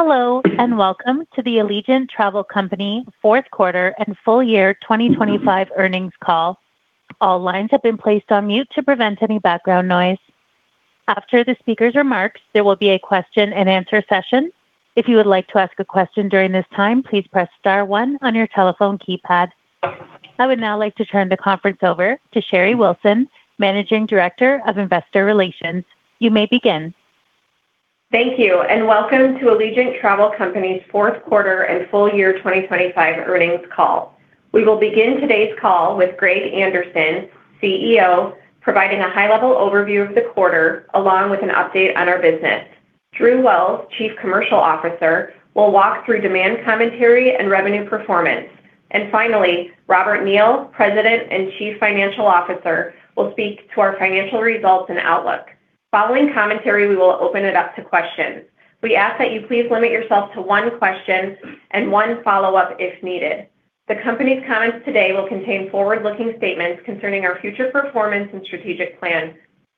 Hello and welcome to the Allegiant Travel Company Fourth Quarter and Full Year 2025 earnings call. All lines have been placed on mute to prevent any background noise. After the speaker's remarks, there will be a question-and-answer session. If you would like to ask a question during this time, please press star one on your telephone keypad. I would now like to turn the conference over to Sherry Wilson, Managing Director of Investor Relations. You may begin. Thank you and welcome to Allegiant Travel Company's Fourth Quarter and Full Year 2025 earnings call. We will begin today's call with Greg Anderson, CEO, providing a high-level overview of the quarter along with an update on our business. Drew Wells, Chief Commercial Officer, will walk through demand commentary and revenue performance. Finally, Robert Neal, President and Chief Financial Officer, will speak to our financial results and outlook. Following commentary, we will open it up to questions. We ask that you please limit yourself to one question and one follow-up if needed. The company's comments today will contain forward-looking statements concerning our future performance and strategic plan.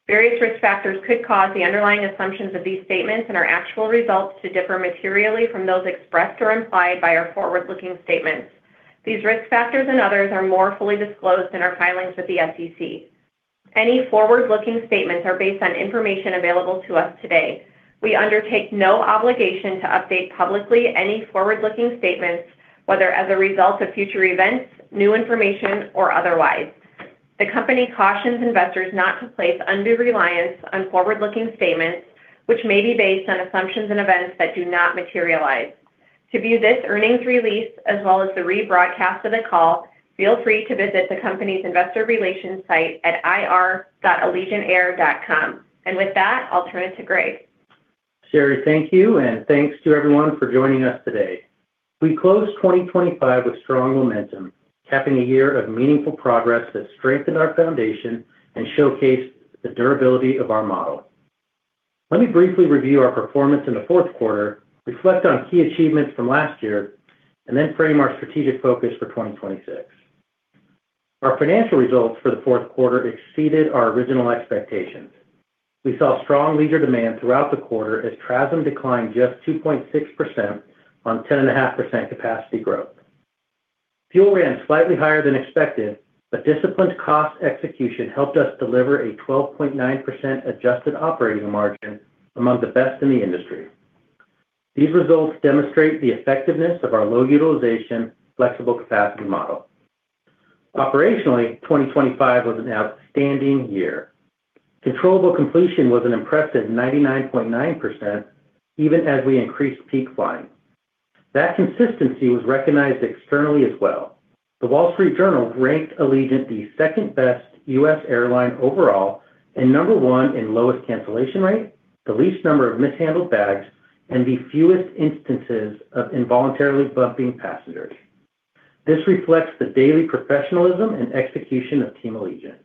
Various risk factors could cause the underlying assumptions of these statements and our actual results to differ materially from those expressed or implied by our forward-looking statements. These risk factors and others are more fully disclosed in our filings with the SEC. Any forward-looking statements are based on information available to us today. We undertake no obligation to update publicly any forward-looking statements, whether as a result of future events, new information, or otherwise. The company cautions investors not to place undue reliance on forward-looking statements, which may be based on assumptions and events that do not materialize. To view this earnings release as well as the rebroadcast of the call, feel free to visit the company's investor relations site at ir.allegiantair.com. With that, I'll turn it to Greg. Sherry, thank you, and thanks to everyone for joining us today. We close 2025 with strong momentum, capping a year of meaningful progress that strengthened our foundation and showcased the durability of our model. Let me briefly review our performance in the fourth quarter, reflect on key achievements from last year, and then frame our strategic focus for 2026. Our financial results for the fourth quarter exceeded our original expectations. We saw strong leisure demand throughout the quarter as TRASM declined just 2.6% on 10.5% capacity growth. Fuel ran slightly higher than expected, but disciplined cost execution helped us deliver a 12.9% adjusted operating margin among the best in the industry. These results demonstrate the effectiveness of our low-utilization, flexible capacity model. Operationally, 2025 was an outstanding year. Controllable completion was an impressive 99.9% even as we increased peak flying. That consistency was recognized externally as well. The Wall Street Journal ranked Allegiant the second-best U.S. airline overall and number one in lowest cancellation rate, the least number of mishandled bags, and the fewest instances of involuntarily bumping passengers. This reflects the daily professionalism and execution of Team Allegiant.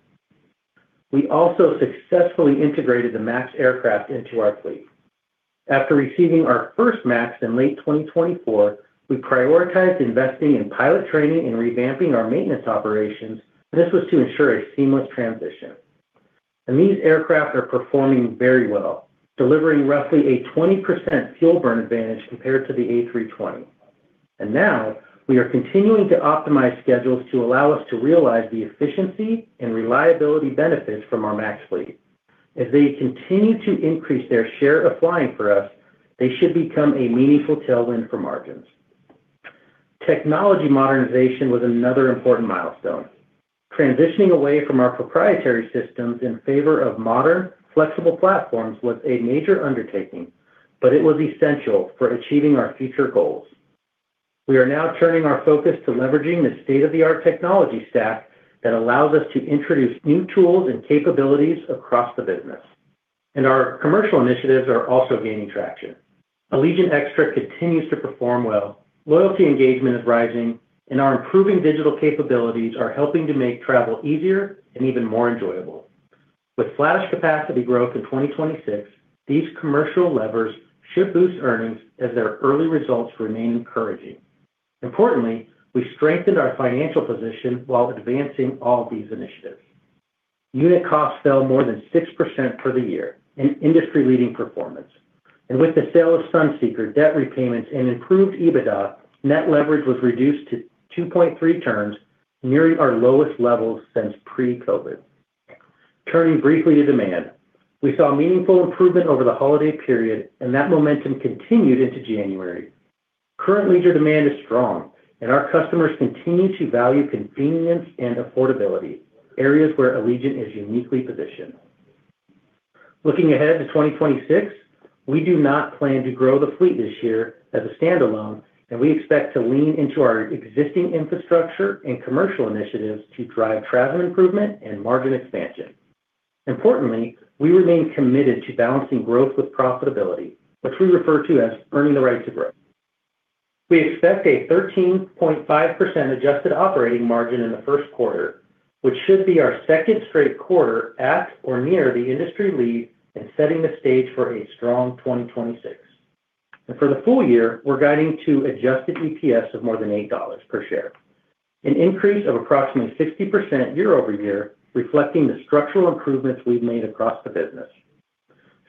We also successfully integrated the MAX aircraft into our fleet. After receiving our first MAX in late 2024, we prioritized investing in pilot training and revamping our maintenance operations. This was to ensure a seamless transition. These aircraft are performing very well, delivering roughly a 20% fuel burn advantage compared to the A320. Now we are continuing to optimize schedules to allow us to realize the efficiency and reliability benefits from our MAX fleet. As they continue to increase their share of flying for us, they should become a meaningful tailwind for margins. Technology modernization was another important milestone. Transitioning away from our proprietary systems in favor of modern, flexible platforms was a major undertaking, but it was essential for achieving our future goals. We are now turning our focus to leveraging the state-of-the-art technology stack that allows us to introduce new tools and capabilities across the business. Our commercial initiatives are also gaining traction. Allegiant Extra continues to perform well, loyalty engagement is rising, and our improving digital capabilities are helping to make travel easier and even more enjoyable. With fleet capacity growth in 2026, these commercial levers should boost earnings as their early results remain encouraging. Importantly, we strengthened our financial position while advancing all these initiatives. Unit costs fell more than 6% for the year, an industry-leading performance. With the sale of Sunseeker, debt repayments, and improved EBITDA, net leverage was reduced to 2.3 turns, nearing our lowest levels since pre-COVID. Turning briefly to demand, we saw meaningful improvement over the holiday period, and that momentum continued into January. Current leisure demand is strong, and our customers continue to value convenience and affordability, areas where Allegiant is uniquely positioned. Looking ahead to 2026, we do not plan to grow the fleet this year as a standalone, and we expect to lean into our existing infrastructure and commercial initiatives to drive TRASM improvement and margin expansion. Importantly, we remain committed to balancing growth with profitability, which we refer to as earning the right to grow. We expect a 13.5% adjusted operating margin in the first quarter, which should be our second straight quarter at or near the industry lead in setting the stage for a strong 2026. For the full year, we're guiding to adjusted EPS of more than $8 per share, an increase of approximately 60% year-over-year, reflecting the structural improvements we've made across the business.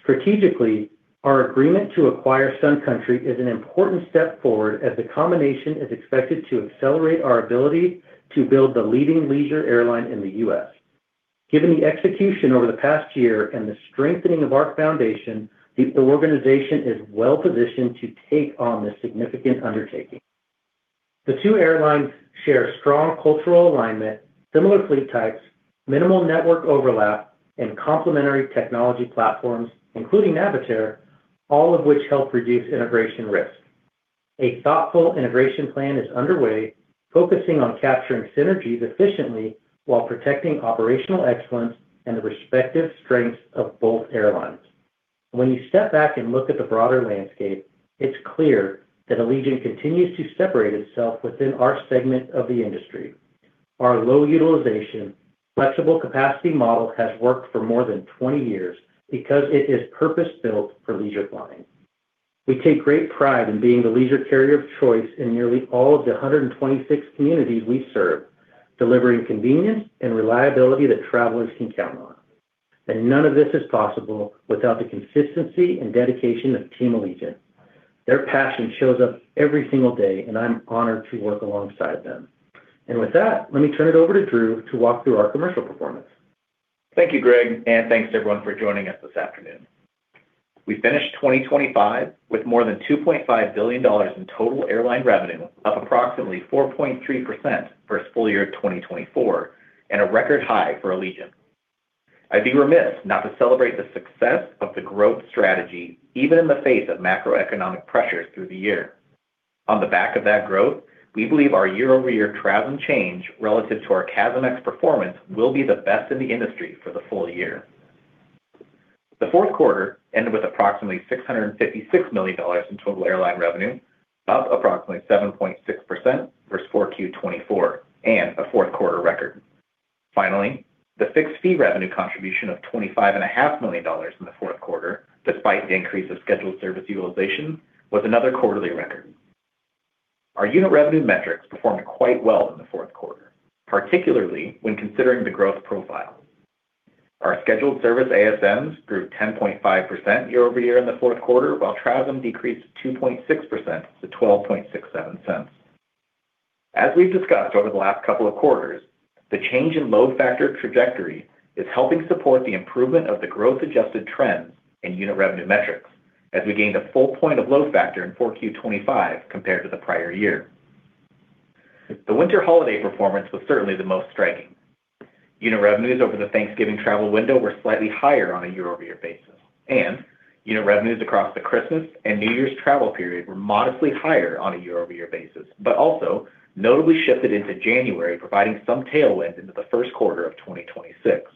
Strategically, our agreement to acquire Sun Country is an important step forward as the combination is expected to accelerate our ability to build the leading leisure airline in the U.S. Given the execution over the past year and the strengthening of our foundation, the organization is well positioned to take on this significant undertaking. The two airlines share strong cultural alignment, similar fleet types, minimal network overlap, and complementary technology platforms, including Navitaire, all of which help reduce integration risk. A thoughtful integration plan is underway, focusing on capturing synergies efficiently while protecting operational excellence and the respective strengths of both airlines. When you step back and look at the broader landscape, it's clear that Allegiant continues to separate itself within our segment of the industry. Our low-utilization, flexible capacity model has worked for more than 20 years because it is purpose-built for leisure flying. We take great pride in being the leisure carrier of choice in nearly all of the 126 communities we serve, delivering convenience and reliability that travelers can count on. And none of this is possible without the consistency and dedication of Team Allegiant. Their passion shows up every single day, and I'm honored to work alongside them. And with that, let me turn it over to Drew to walk through our commercial performance. Thank you, Greg, and thanks to everyone for joining us this afternoon. We finished 2024 with more than $2.5 billion in total airline revenue, up approximately 4.3% versus full year 2024, and a record high for Allegiant. I'd be remiss not to celebrate the success of the growth strategy even in the face of macroeconomic pressures through the year. On the back of that growth, we believe our year-over-year TRASM change relative to our CASM-ex performance will be the best in the industry for the full year. The fourth quarter ended with approximately $656 million in total airline revenue, up approximately 7.6% versus 4Q 2024, and a fourth-quarter record. Finally, the fixed fee revenue contribution of $25.5 million in the fourth quarter, despite the increase of scheduled service utilization, was another quarterly record. Our unit revenue metrics performed quite well in the fourth quarter, particularly when considering the growth profile. Our scheduled service ASMs grew 10.5% year-over-year in the fourth quarter, while CASM decreased 2.6% to $0.1267. As we've discussed over the last couple of quarters, the change in load factor trajectory is helping support the improvement of the growth-adjusted trends in unit revenue metrics as we gained a full point of load factor in 4Q 2025 compared to the prior year. The winter holiday performance was certainly the most striking. Unit revenues over the Thanksgiving travel window were slightly higher on a year-over-year basis, and unit revenues across the Christmas and New Year's travel period were modestly higher on a year-over-year basis, but also notably shifted into January, providing some tailwind into the first quarter of 2026.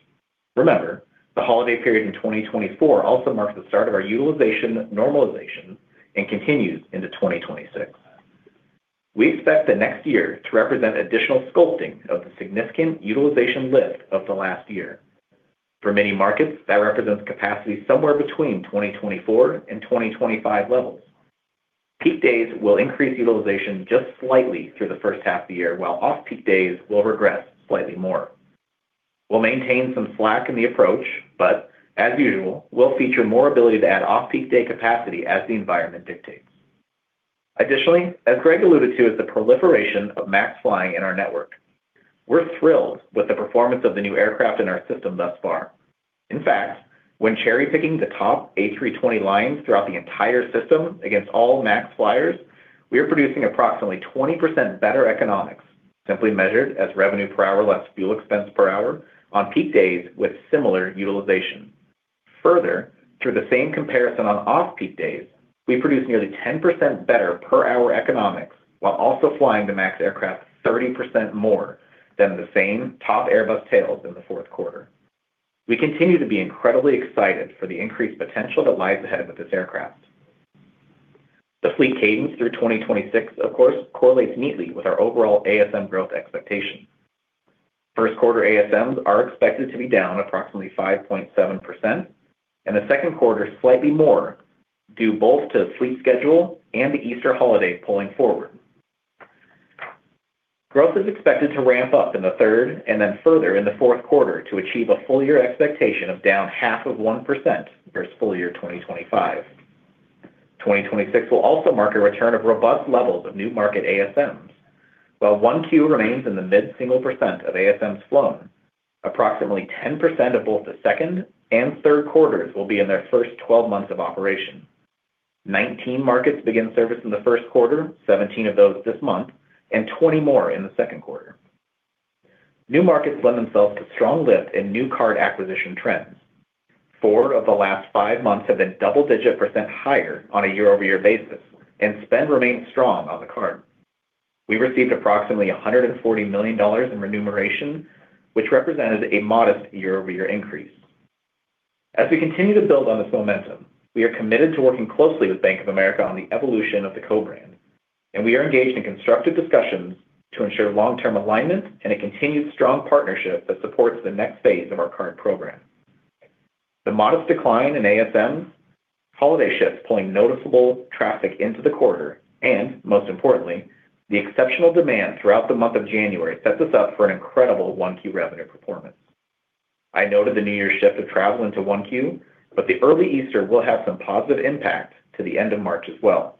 Remember, the holiday period in 2024 also marked the start of our utilization normalization and continues into 2026. We expect the next year to represent additional sculpting of the significant utilization lift of the last year. For many markets, that represents capacity somewhere between 2024 and 2025 levels. Peak days will increase utilization just slightly through the first half of the year, while off-peak days will regress slightly more. We'll maintain some slack in the approach, but as usual, we'll feature more ability to add off-peak day capacity as the environment dictates. Additionally, as Greg alluded to, is the proliferation of MAX flying in our network. We're thrilled with the performance of the new aircraft in our system thus far. In fact, when cherry-picking the top A320 lines throughout the entire system against all MAX flyers, we are producing approximately 20% better economics, simply measured as revenue per hour less fuel expense per hour on peak days with similar utilization. Further, through the same comparison on off-peak days, we produce nearly 10% better per hour economics while also flying the MAX aircraft 30% more than the same top Airbus tails in the fourth quarter. We continue to be incredibly excited for the increased potential that lies ahead with this aircraft. The fleet cadence through 2026, of course, correlates neatly with our overall ASM growth expectations. First-quarter ASMs are expected to be down approximately 5.7%, and the second quarter slightly more, due both to the fleet schedule and the Easter holiday pulling forward. Growth is expected to ramp up in the third and then further in the fourth quarter to achieve a full-year expectation of down 0.5% versus full year 2025. 2026 will also mark a return of robust levels of new market ASMs. While 1Q remains in the mid-single % of ASMs flown, approximately 10% of both the second and third quarters will be in their first 12 months of operation. 19 markets begin service in the first quarter, 17 of those this month, and 20 more in the second quarter. New markets lend themselves to strong lift in new card acquisition trends. Four of the last five months have been double-digit % higher on a year-over-year basis, and spend remains strong on the card. We received approximately $140 million in remuneration, which represented a modest year-over-year increase. As we continue to build on this momentum, we are committed to working closely with Bank of America on the evolution of the co-brand, and we are engaged in constructive discussions to ensure long-term alignment and a continued strong partnership that supports the next phase of our current program. The modest decline in ASMs, holiday shifts pulling noticeable traffic into the quarter, and most importantly, the exceptional demand throughout the month of January sets us up for an incredible 1Q revenue performance. I noted the New Year's shift of travel into 1Q, but the early Easter will have some positive impact to the end of March as well.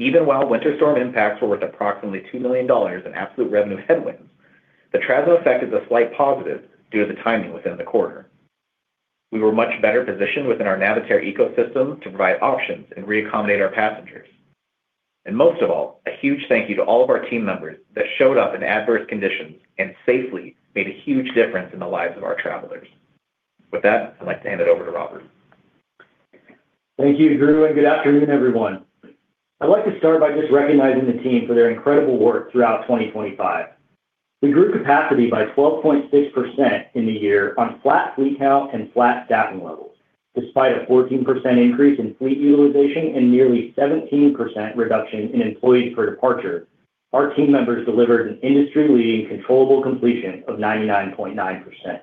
Even while winter storm impacts were worth approximately $2 million in absolute revenue headwinds, the TRASM effect is a slight positive due to the timing within the quarter. We were much better positioned within our Navitaire ecosystem to provide options and reaccommodate our passengers. And most of all, a huge thank you to all of our team members that showed up in adverse conditions and safely made a huge difference in the lives of our travelers. With that, I'd like to hand it over to Robert. Thank you, Drew, and good afternoon, everyone. I'd like to start by just recognizing the team for their incredible work throughout 2025. We grew capacity by 12.6% in the year on flat fleet count and flat staffing levels. Despite a 14% increase in fleet utilization and nearly 17% reduction in employees per departure, our team members delivered an industry-leading controllable completion of 99.9%.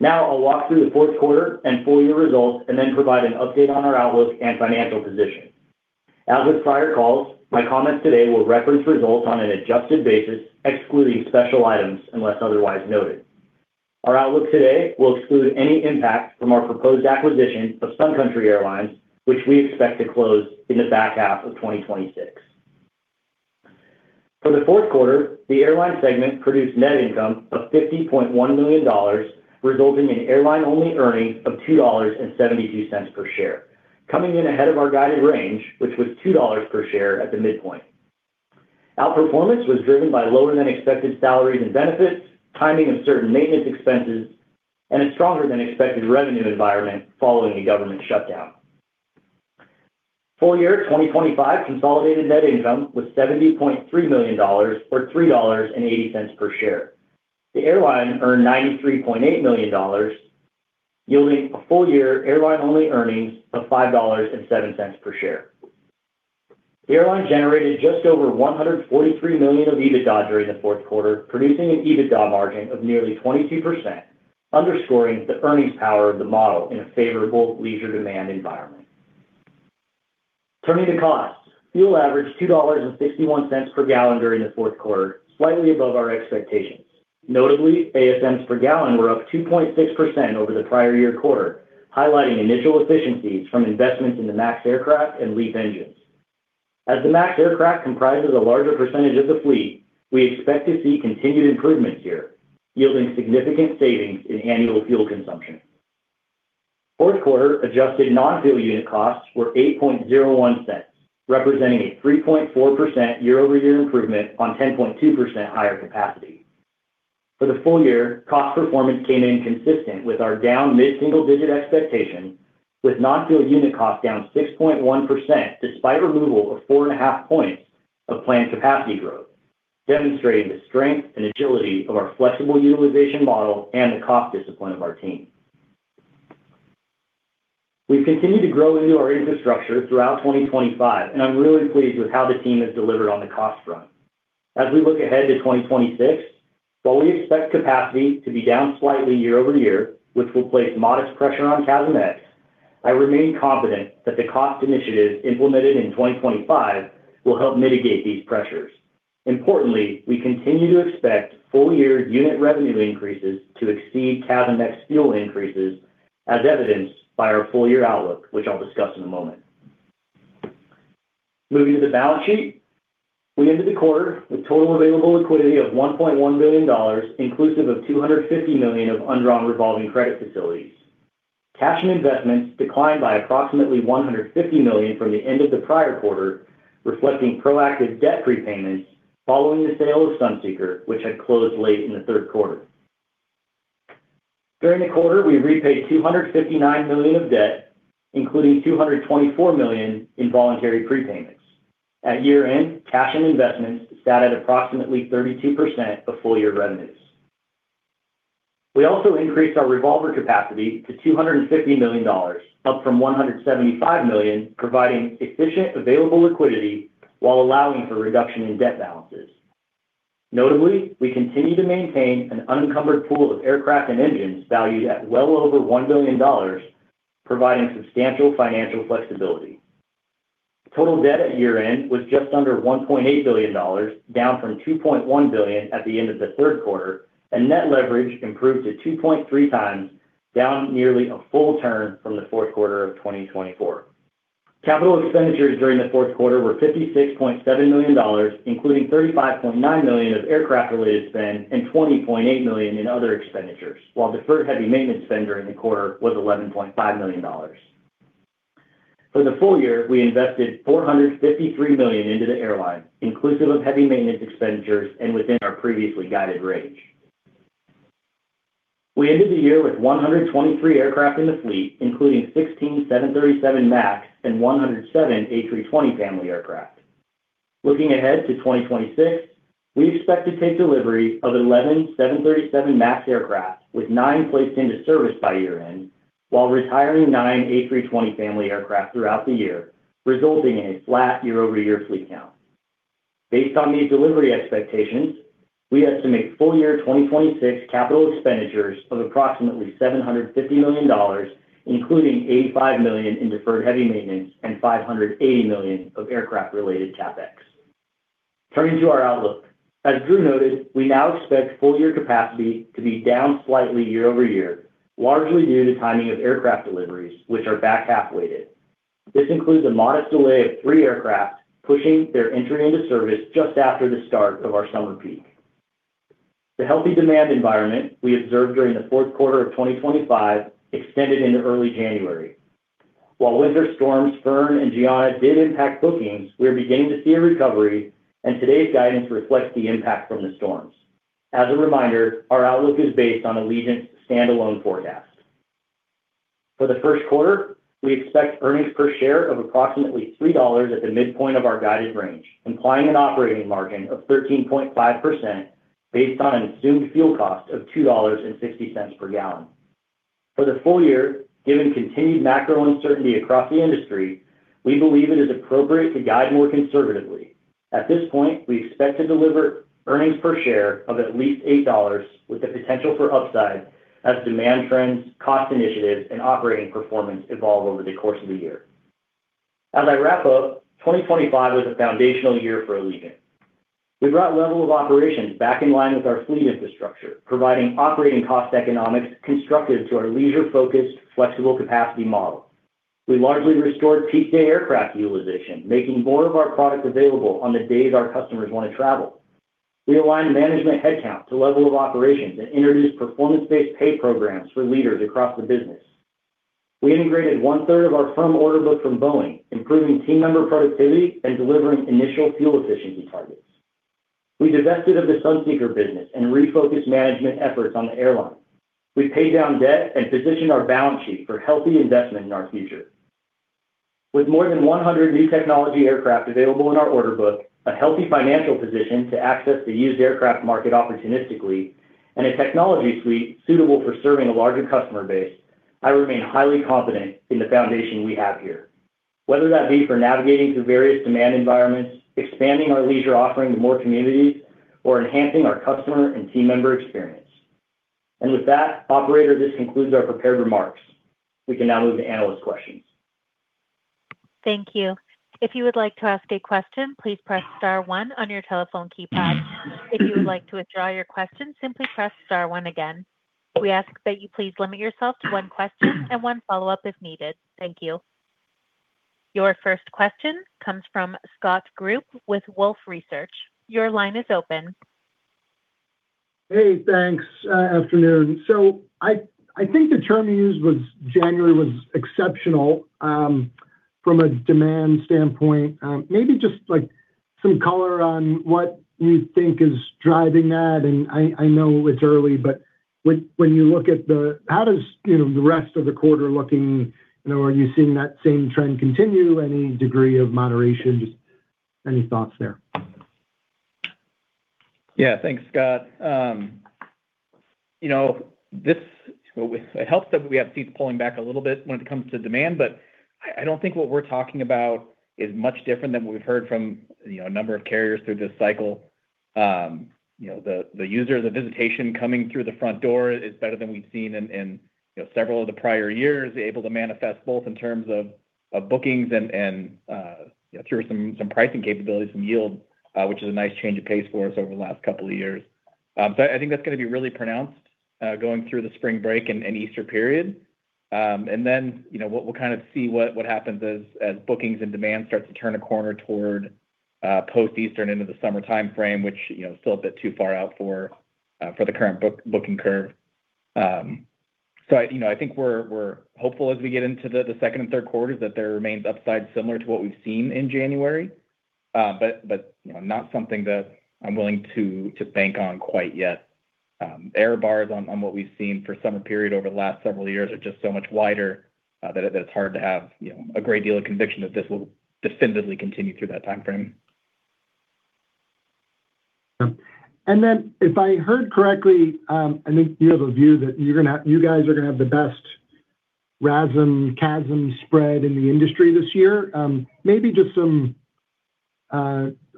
Now I'll walk through the fourth quarter and full-year results and then provide an update on our outlook and financial position. As with prior calls, my comments today will reference results on an adjusted basis, excluding special items unless otherwise noted. Our outlook today will exclude any impact from our proposed acquisition of Sun Country Airlines, which we expect to close in the back half of 2026. For the fourth quarter, the airline segment produced net income of $50.1 million, resulting in airline-only earnings of $2.72 per share, coming in ahead of our guided range, which was $2 per share at the midpoint. Outperformance was driven by lower-than-expected salaries and benefits, timing of certain maintenance expenses, and a stronger-than-expected revenue environment following the government shutdown. Full year 2025 consolidated net income was $70.3 million or $3.80 per share. The airline earned $93.8 million, yielding a full-year airline-only earnings of $5.07 per share. The airline generated just over $143 million of EBITDA during the fourth quarter, producing an EBITDA margin of nearly 22%, underscoring the earnings power of the model in a favorable leisure demand environment. Turning to costs, fuel averaged $2.61 per gallon during the fourth quarter, slightly above our expectations. Notably, ASMs per gallon were up 2.6% over the prior year quarter, highlighting initial efficiencies from investments in the MAX aircraft and LEAP engines. As the MAX aircraft comprises a larger percentage of the fleet, we expect to see continued improvements here, yielding significant savings in annual fuel consumption. Fourth quarter adjusted non-fuel unit costs were $0.0801, representing a 3.4% year-over-year improvement on 10.2% higher capacity. For the full year, cost performance came in consistent with our down mid-single digit expectation, with non-fuel unit costs down 6.1% despite removal of 4.5 points of planned capacity growth, demonstrating the strength and agility of our flexible utilization model and the cost discipline of our team. We've continued to grow into our infrastructure throughout 2025, and I'm really pleased with how the team has delivered on the cost front. As we look ahead to 2026, while we expect capacity to be down slightly year-over-year, which will place modest pressure on CASM ex, I remain confident that the cost initiatives implemented in 2025 will help mitigate these pressures. Importantly, we continue to expect full-year unit revenue increases to exceed CASM ex-fuel increases, as evidenced by our full-year outlook, which I'll discuss in a moment. Moving to the balance sheet, we ended the quarter with total available liquidity of $1.1 billion, inclusive of $250 million of underwritten revolving credit facilities. Cash and investments declined by approximately $150 million from the end of the prior quarter, reflecting proactive debt prepayments following the sale of Sunseeker, which had closed late in the third quarter. During the quarter, we repaid $259 million of debt, including $224 million in voluntary prepayments. At year-end, cash and investments sat at approximately 32% of full-year revenues. We also increased our revolver capacity to $250 million, up from $175 million, providing efficient available liquidity while allowing for reduction in debt balances. Notably, we continue to maintain an unencumbered pool of aircraft and engines valued at well over $1 billion, providing substantial financial flexibility. Total debt at year-end was just under $1.8 billion, down from $2.1 billion at the end of the third quarter, and net leverage improved to 2.3x, down nearly a full turn from the fourth quarter of 2024. Capital expenditures during the fourth quarter were $56.7 million, including $35.9 million of aircraft-related spend and $20.8 million in other expenditures, while deferred heavy maintenance spend during the quarter was $11.5 million. For the full year, we invested $453 million into the airline, inclusive of heavy maintenance expenditures and within our previously guided range. We ended the year with 123 aircraft in the fleet, including 16 737 MAX and 107 A320 family aircraft. Looking ahead to 2026, we expect to take delivery of 11 737 MAX aircraft, with 9 placed into service by year-end, while retiring 9 A320 family aircraft throughout the year, resulting in a flat year-over-year fleet count. Based on these delivery expectations, we estimate full-year 2026 capital expenditures of approximately $750 million, including $85 million in deferred heavy maintenance and $580 million of aircraft-related CapEx. Turning to our outlook, as Drew noted, we now expect full-year capacity to be down slightly year-over-year, largely due to timing of aircraft deliveries, which are back half-weighted. This includes a modest delay of three aircraft, pushing their entry into service just after the start of our summer peak. The healthy demand environment we observed during the fourth quarter of 2025 extended into early January. While winter storms, Fern, and Giana did impact bookings, we are beginning to see a recovery, and today's guidance reflects the impact from the storms. As a reminder, our outlook is based on Allegiant's standalone forecast. For the first quarter, we expect earnings per share of approximately $3 at the midpoint of our guided range, implying an operating margin of 13.5% based on an assumed fuel cost of $2.60 per gallon. For the full year, given continued macro uncertainty across the industry, we believe it is appropriate to guide more conservatively. At this point, we expect to deliver earnings per share of at least $8, with the potential for upside as demand trends, cost initiatives, and operating performance evolve over the course of the year. As I wrap up, 2025 was a foundational year for Allegiant. We brought level of operations back in line with our fleet infrastructure, providing operating cost economics constructed to our leisure-focused, flexible capacity model. We largely restored peak day aircraft utilization, making more of our product available on the days our customers want to travel. We aligned management headcount to level of operations and introduced performance-based pay programs for leaders across the business. We integrated one-third of our firm order book from Boeing, improving team member productivity and delivering initial fuel efficiency targets. We divested of the Sunseeker business and refocused management efforts on the airline. We paid down debt and positioned our balance sheet for healthy investment in our future. With more than 100 new technology aircraft available in our order book, a healthy financial position to access the used aircraft market opportunistically, and a technology suite suitable for serving a larger customer base, I remain highly confident in the foundation we have here, whether that be for navigating through various demand environments, expanding our leisure offering to more communities, or enhancing our customer and team member experience. And with that, operator, this concludes our prepared remarks. We can now move to analyst questions. Thank you. If you would like to ask a question, please press star one on your telephone keypad. If you would like to withdraw your question, simply press star one again. We ask that you please limit yourself to one question and one follow-up if needed. Thank you. Your first question comes from Scott Group with Wolfe Research. Your line is open. Hey, thanks. Afternoon. So I think the term you used was January was exceptional from a demand standpoint. Maybe just some color on what you think is driving that. I know it's early, but when you look at the how does the rest of the quarter looking? Are you seeing that same trend continue? Any degree of moderation? Just any thoughts there? Yeah, thanks, Scott. It helps that we have seats pulling back a little bit when it comes to demand, but I don't think what we're talking about is much different than what we've heard from a number of carriers through this cycle. The visitation coming through the front door is better than we've seen in several of the prior years, able to manifest both in terms of bookings and through some pricing capabilities, some yield, which is a nice change of pace for us over the last couple of years. So I think that's going to be really pronounced going through the spring break and Easter period. And then we'll kind of see what happens as bookings and demand start to turn a corner toward post-Easter into the summer time frame, which is still a bit too far out for the current booking curve. I think we're hopeful as we get into the second and third quarters that there remains upside similar to what we've seen in January, but not something that I'm willing to bank on quite yet. Airfares on what we've seen for the summer period over the last several years are just so much wider that it's hard to have a great deal of conviction that this will definitively continue through that time frame. Then if I heard correctly, I think you have a view that you guys are going to have the best RASM/CASM spread in the industry this year. Maybe just a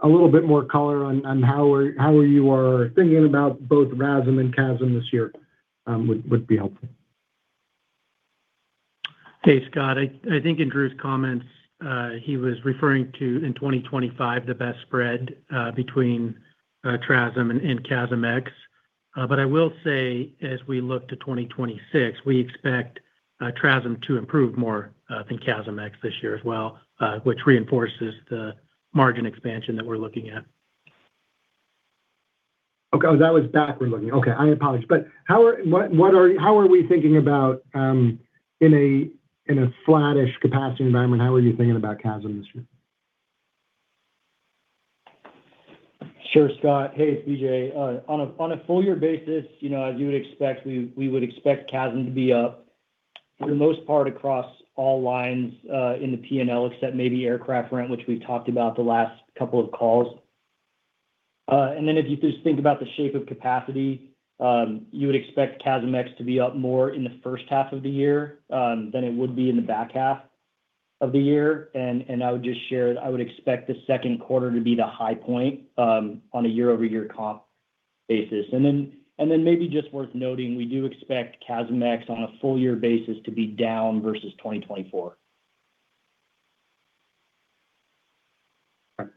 little bit more color on how you are thinking about both RASM and CASM this year would be helpful. Hey, Scott. I think in Drew's comments, he was referring to, in 2025, the best spread between TRASM and CASMX. But I will say, as we look to 2026, we expect TRASM to improve more than CASMX this year as well, which reinforces the margin expansion that we're looking at. Okay. Oh, that was backward-looking. Okay. I apologize. But how are we thinking about in a flat-ish capacity environment, how are you thinking about CASM this year? Sure, Scott. Hey, it's BJ. On a full-year basis, as you would expect, we would expect CASM to be up for the most part across all lines in the P&L, except maybe aircraft rent, which we've talked about the last couple of calls. And then if you just think about the shape of capacity, you would expect CASMX to be up more in the first half of the year than it would be in the back half of the year. And I would just share that I would expect the second quarter to be the high point on a year-over-year comp basis. And then maybe just worth noting, we do expect CASMX on a full-year basis to be down versus 2024.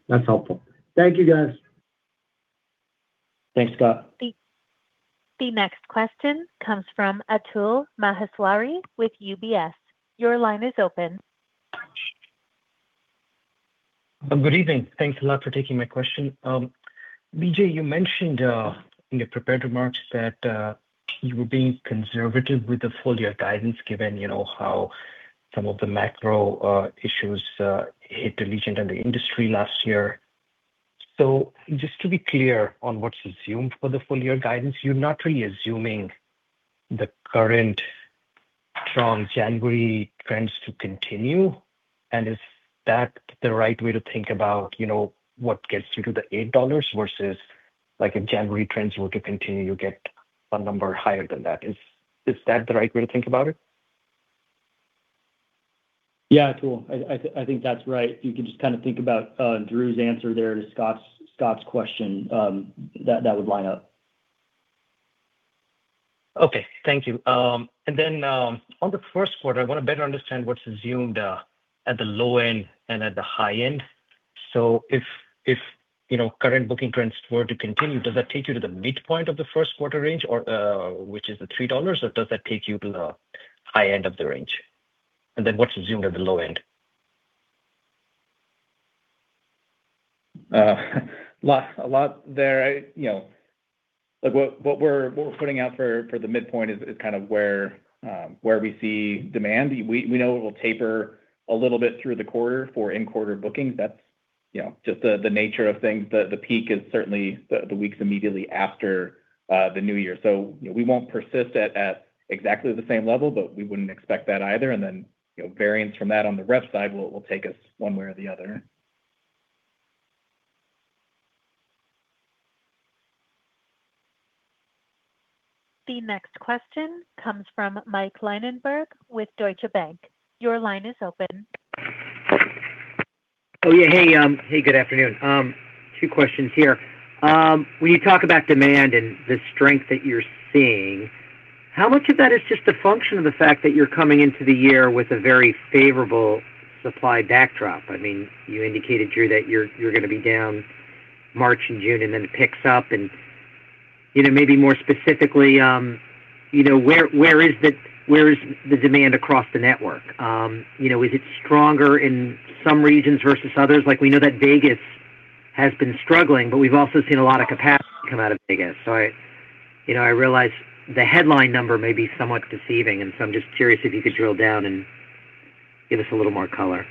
That's helpful. Thank you, guys. Thanks, Scott. The next question comes from Atul Maheswari with UBS. Your line is open. Good evening. Thanks a lot for taking my question. BJ, you mentioned in your prepared remarks that you were being conservative with the full-year guidance, given how some of the macro issues hit Allegiant and the industry last year. So just to be clear on what's assumed for the full-year guidance, you're not really assuming the current strong January trends to continue. And is that the right way to think about what gets you to the $8 versus if January trends were to continue, you get a number higher than that? Is that the right way to think about it? Yeah, Atul, I think that's right. You can just kind of think about Drew's answer there to Scott's question. That would line up. Okay. Thank you. And then on the first quarter, I want to better understand what's assumed at the low end and at the high end. So if current booking trends were to continue, does that take you to the midpoint of the first quarter range, which is the $3, or does that take you to the high end of the range? And then what's assumed at the low end? A lot there. What we're putting out for the midpoint is kind of where we see demand. We know it will taper a little bit through the quarter for in-quarter bookings. That's just the nature of things. The peak is certainly the weeks immediately after the new year. So we won't persist at exactly the same level, but we wouldn't expect that either. And then variance from that on the ref side will take us one way or the other. The next question comes from Mike Linenberg with Deutsche Bank. Your line is open. Oh, yeah. Hey. Good afternoon. Two questions here. When you talk about demand and the strength that you're seeing, how much of that is just a function of the fact that you're coming into the year with a very favorable supply backdrop? I mean, you indicated, Drew, that you're going to be down March and June and then it picks up. And maybe more specifically, where is the demand across the network? Is it stronger in some regions versus others? We know that Vegas has been struggling, but we've also seen a lot of capacity come out of Vegas. So I realize the headline number may be somewhat deceiving, and so I'm just curious if you could drill down and give us a little more color.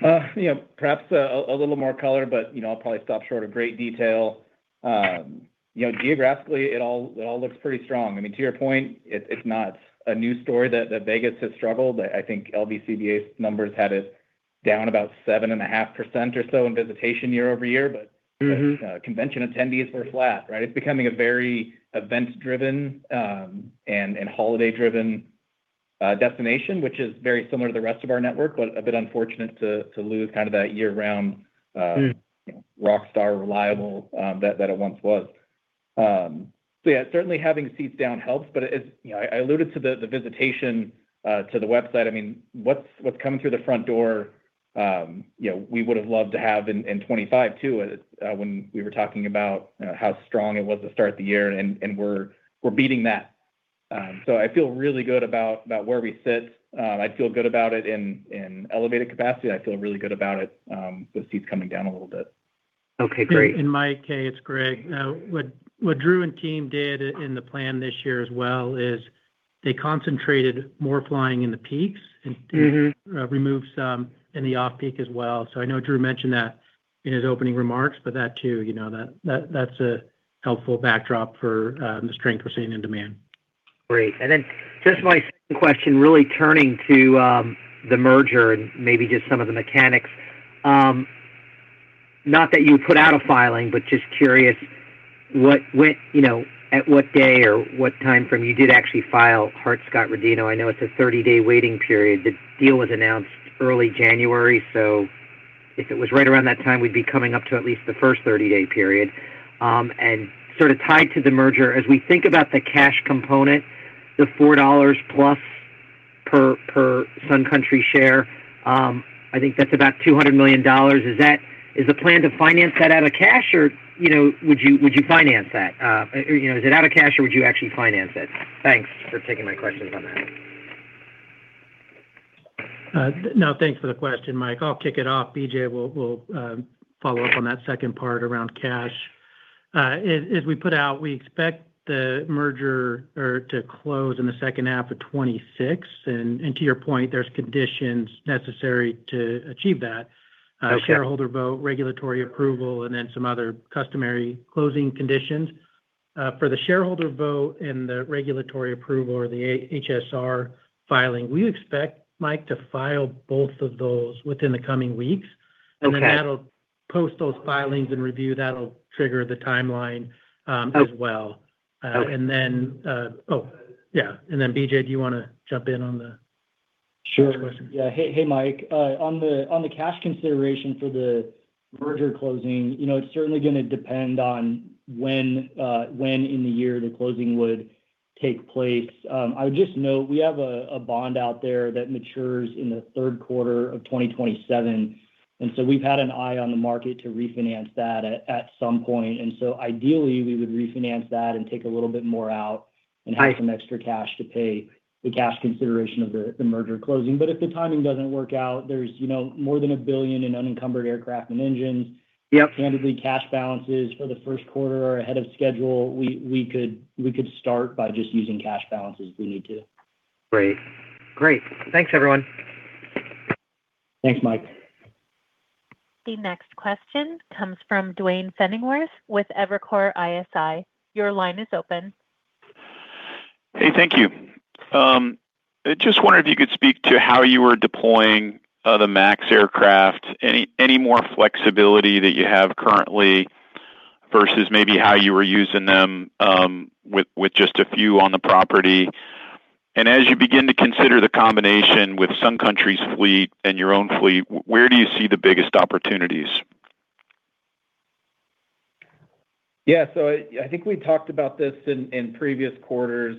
Perhaps a little more color, but I'll probably stop short of great detail. Geographically, it all looks pretty strong. I mean, to your point, it's not a new story that Vegas has struggled. I think LVCBA's numbers had it down about 7.5% or so in visitation year-over-year, but convention attendees were flat, right? It's becoming a very event-driven and holiday-driven destination, which is very similar to the rest of our network, but a bit unfortunate to lose kind of that year-round rockstar reliable that it once was. So yeah, certainly, having seats down helps. But I alluded to the visitation to the website. I mean, what's coming through the front door, we would have loved to have in 2025 too when we were talking about how strong it was to start the year, and we're beating that. So I feel really good about where we sit. I feel good about it in elevated capacity. I feel really good about it with seats coming down a little bit. Okay. Great. In my case, it's Greg. What Drew and team did in the plan this year as well is they concentrated more flying in the peaks and removed some in the off-peak as well. So I know Drew mentioned that in his opening remarks, but that too, that's a helpful backdrop for the strength we're seeing in demand. Great. And then just my second question, really turning to the merger and maybe just some of the mechanics, not that you put out a filing, but just curious at what day or what time frame you did actually file Hart-Scott-Rodino. I know it's a 30-day waiting period. The deal was announced early January, so if it was right around that time, we'd be coming up to at least the first 30-day period. And sort of tied to the merger, as we think about the cash component, the $4+ per Sun Country share, I think that's about $200 million. Is the plan to finance that out of cash, or would you finance that? Is it out of cash, or would you actually finance it? Thanks for taking my questions on that. No, thanks for the question, Mike. I'll kick it off. BJ, we'll follow up on that second part around cash. As we put out, we expect the merger to close in the second half of 2026. To your point, there's conditions necessary to achieve that: shareholder vote, regulatory approval, and then some other customary closing conditions. For the shareholder vote and the regulatory approval or the HSR filing, we expect, Mike, to file both of those within the coming weeks. And then that'll post those filings and review. That'll trigger the timeline as well. And then oh, yeah. And then BJ, do you want to jump in on the first question? Sure. Yeah. Hey, Mike. On the cash consideration for the merger closing, it's certainly going to depend on when in the year the closing would take place. I would just note we have a bond out there that matures in the third quarter of 2027. And so we've had an eye on the market to refinance that at some point. And so ideally, we would refinance that and take a little bit more out and have some extra cash to pay the cash consideration of the merger closing. But if the timing doesn't work out, there's more than $1 billion in unencumbered aircraft and engines. Candidly, cash balances for the first quarter are ahead of schedule. We could start by just using cash balances if we need to. Great. Great. Thanks, everyone. Thanks, Mike. The next question comes from Duane Pfennigwerth with Evercore ISI. Your line is open. Hey, thank you. Just wondering if you could speak to how you were deploying the MAX aircraft, any more flexibility that you have currently versus maybe how you were using them with just a few on the property? And as you begin to consider the combination with Sun Country's fleet and your own fleet, where do you see the biggest opportunities? Yeah. So I think we talked about this in previous quarters.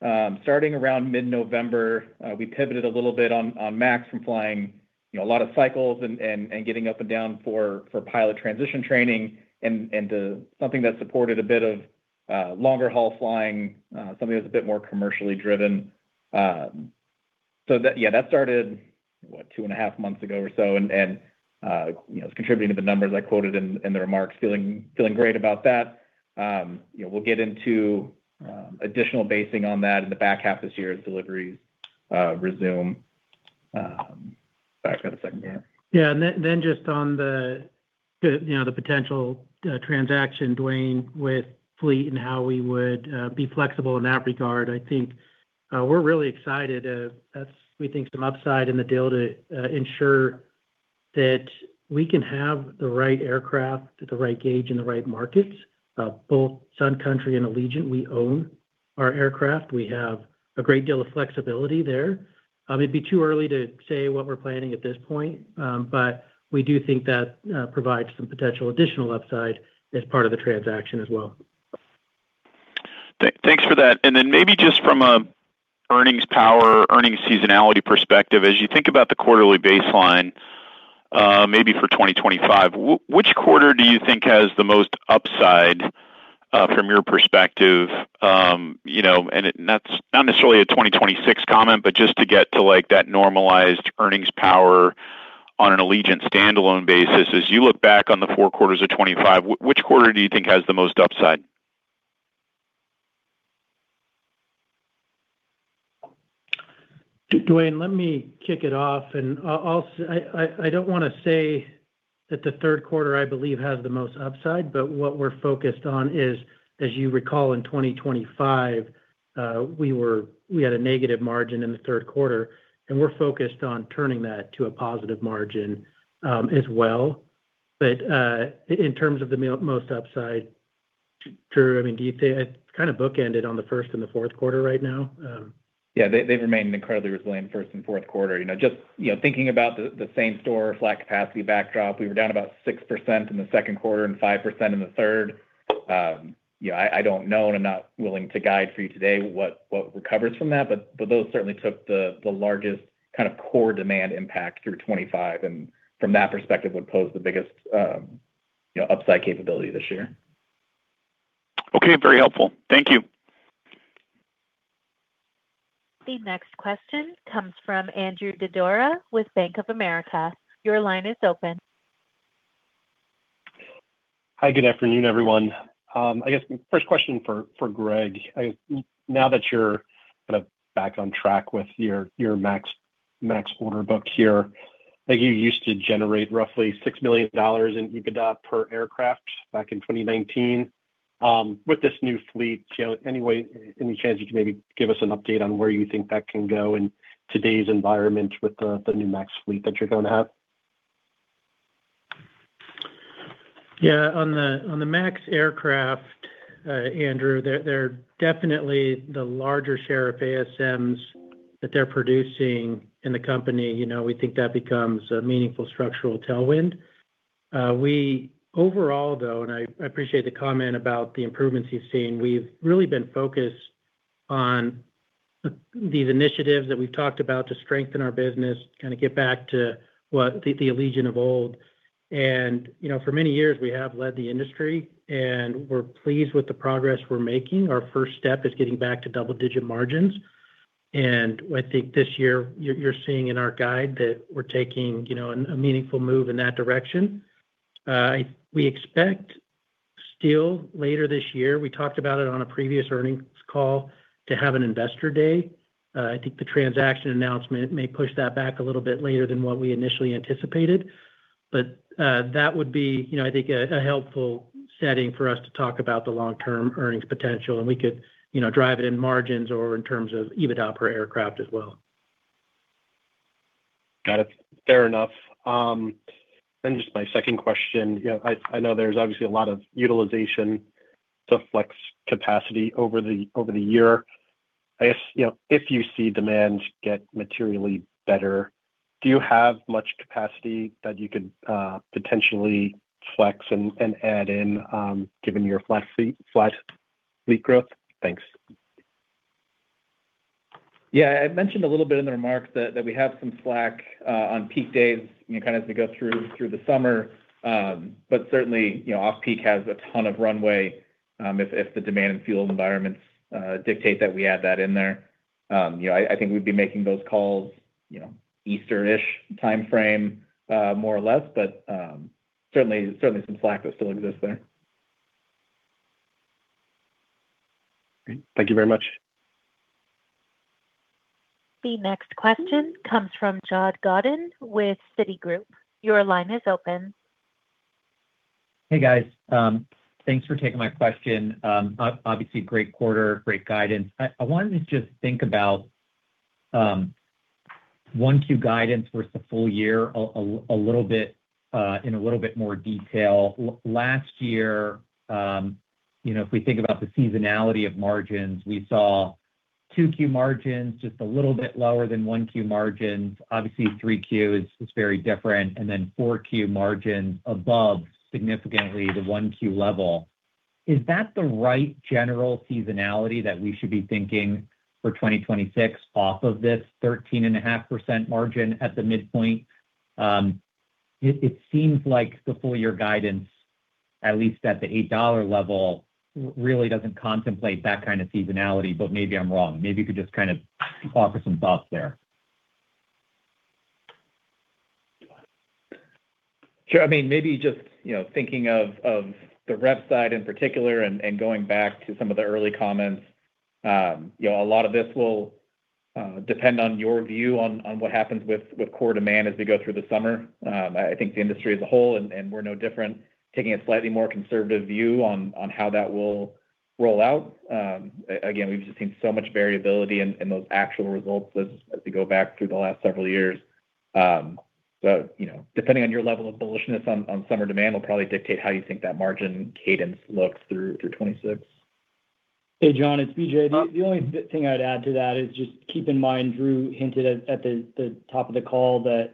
Starting around mid-November, we pivoted a little bit on MAX from flying a lot of cycles and getting up and down for pilot transition training into something that supported a bit of longer-haul flying, something that was a bit more commercially driven. So yeah, that started, what, two and a half months ago or so, and it's contributing to the numbers I quoted in the remarks, feeling great about that. We'll get into additional basing on that in the back half this year as deliveries resume. Sorry, I've got a second there. Yeah. And then just on the potential transaction, Duane, with fleet and how we would be flexible in that regard, I think we're really excited. We think some upside in the deal to ensure that we can have the right aircraft at the right gauge in the right markets, both Sun Country and Allegiant. We own our aircraft. We have a great deal of flexibility there. It'd be too early to say what we're planning at this point, but we do think that provides some potential additional upside as part of the transaction as well. Thanks for that. And then maybe just from an earnings seasonality perspective, as you think about the quarterly baseline, maybe for 2025, which quarter do you think has the most upside from your perspective? And not necessarily a 2026 comment, but just to get to that normalized earnings power on an Allegiant standalone basis, as you look back on the four quarters of 2025, which quarter do you think has the most upside? Dwayne, let me kick it off. And I don't want to say that the third quarter, I believe, has the most upside, but what we're focused on is, as you recall, in 2025, we had a negative margin in the third quarter, and we're focused on turning that to a positive margin as well. But in terms of the most upside, Drew, I mean, do you think it's kind of bookended on the first and the fourth quarter right now? Yeah. They've remained incredibly resilient first and fourth quarter. Just thinking about the same store, flat capacity backdrop, we were down about 6% in the second quarter and 5% in the third. I don't know, and I'm not willing to guide for you today what recovers from that, but those certainly took the largest kind of core demand impact through 2025 and from that perspective, would pose the biggest upside capability this year. Okay. Very helpful. Thank you. The next question comes from Andrew Didora with Bank of America. Your line is open. Hi. Good afternoon, everyone. I guess first question for Greg. I guess now that you're kind of back on track with your MAX order book here, I think you used to generate roughly $6 million in EBITDA per aircraft back in 2019. With this new fleet, anyway, any chance you can maybe give us an update on where you think that can go in today's environment with the new MAX fleet that you're going to have? Yeah. On the MAX aircraft, Andrew, they're definitely the larger share of ASMs that they're producing in the company. We think that becomes a meaningful structural tailwind. Overall, though, and I appreciate the comment about the improvements you've seen, we've really been focused on these initiatives that we've talked about to strengthen our business, kind of get back to the Allegiant of old. For many years, we have led the industry, and we're pleased with the progress we're making. Our first step is getting back to double-digit margins. I think this year, you're seeing in our guide that we're taking a meaningful move in that direction. We expect still later this year - we talked about it on a previous earnings call - to have an investor day. I think the transaction announcement may push that back a little bit later than what we initially anticipated. That would be, I think, a helpful setting for us to talk about the long-term earnings potential, and we could drive it in margins or in terms of EBITDA per aircraft as well. Got it. Fair enough. Then just my second question. I know there's obviously a lot of utilization to flex capacity over the year. I guess if you see demand get materially better, do you have much capacity that you could potentially flex and add in given your flat fleet growth? Thanks. Yeah. I mentioned a little bit in the remarks that we have some slack on peak days kind of as we go through the summer, but certainly, off-peak has a ton of runway if the demand and fuel environments dictate that we add that in there. I think we'd be making those calls Easter-ish timeframe more or less, but certainly some slack that still exists there. Great. Thank you very much. The next question comes from John Godyn with Citigroup. Your line is open. Hey, guys. Thanks for taking my question. Obviously, great quarter, great guidance. I wanted to just think about 1Q guidance versus the full year in a little bit more detail. Last year, if we think about the seasonality of margins, we saw 2Q margins just a little bit lower than 1Q margins. Obviously, 3Q is very different. And then 4Q margins above significantly the 1Q level. Is that the right general seasonality that we should be thinking for 2026 off of this 13.5% margin at the midpoint? It seems like the full-year guidance, at least at the $8 level, really doesn't contemplate that kind of seasonality, but maybe I'm wrong. Maybe you could just kind of offer some thoughts there. Sure. I mean, maybe just thinking of the rep side in particular and going back to some of the early comments, a lot of this will depend on your view on what happens with core demand as we go through the summer. I think the industry as a whole, and we're no different, taking a slightly more conservative view on how that will roll out. Again, we've just seen so much variability in those actual results as we go back through the last several years. So depending on your level of bullishness on summer demand will probably dictate how you think that margin cadence looks through 2026. Hey, John. It's BJ. The only thing I'd add to that is just keep in mind, Drew hinted at the top of the call that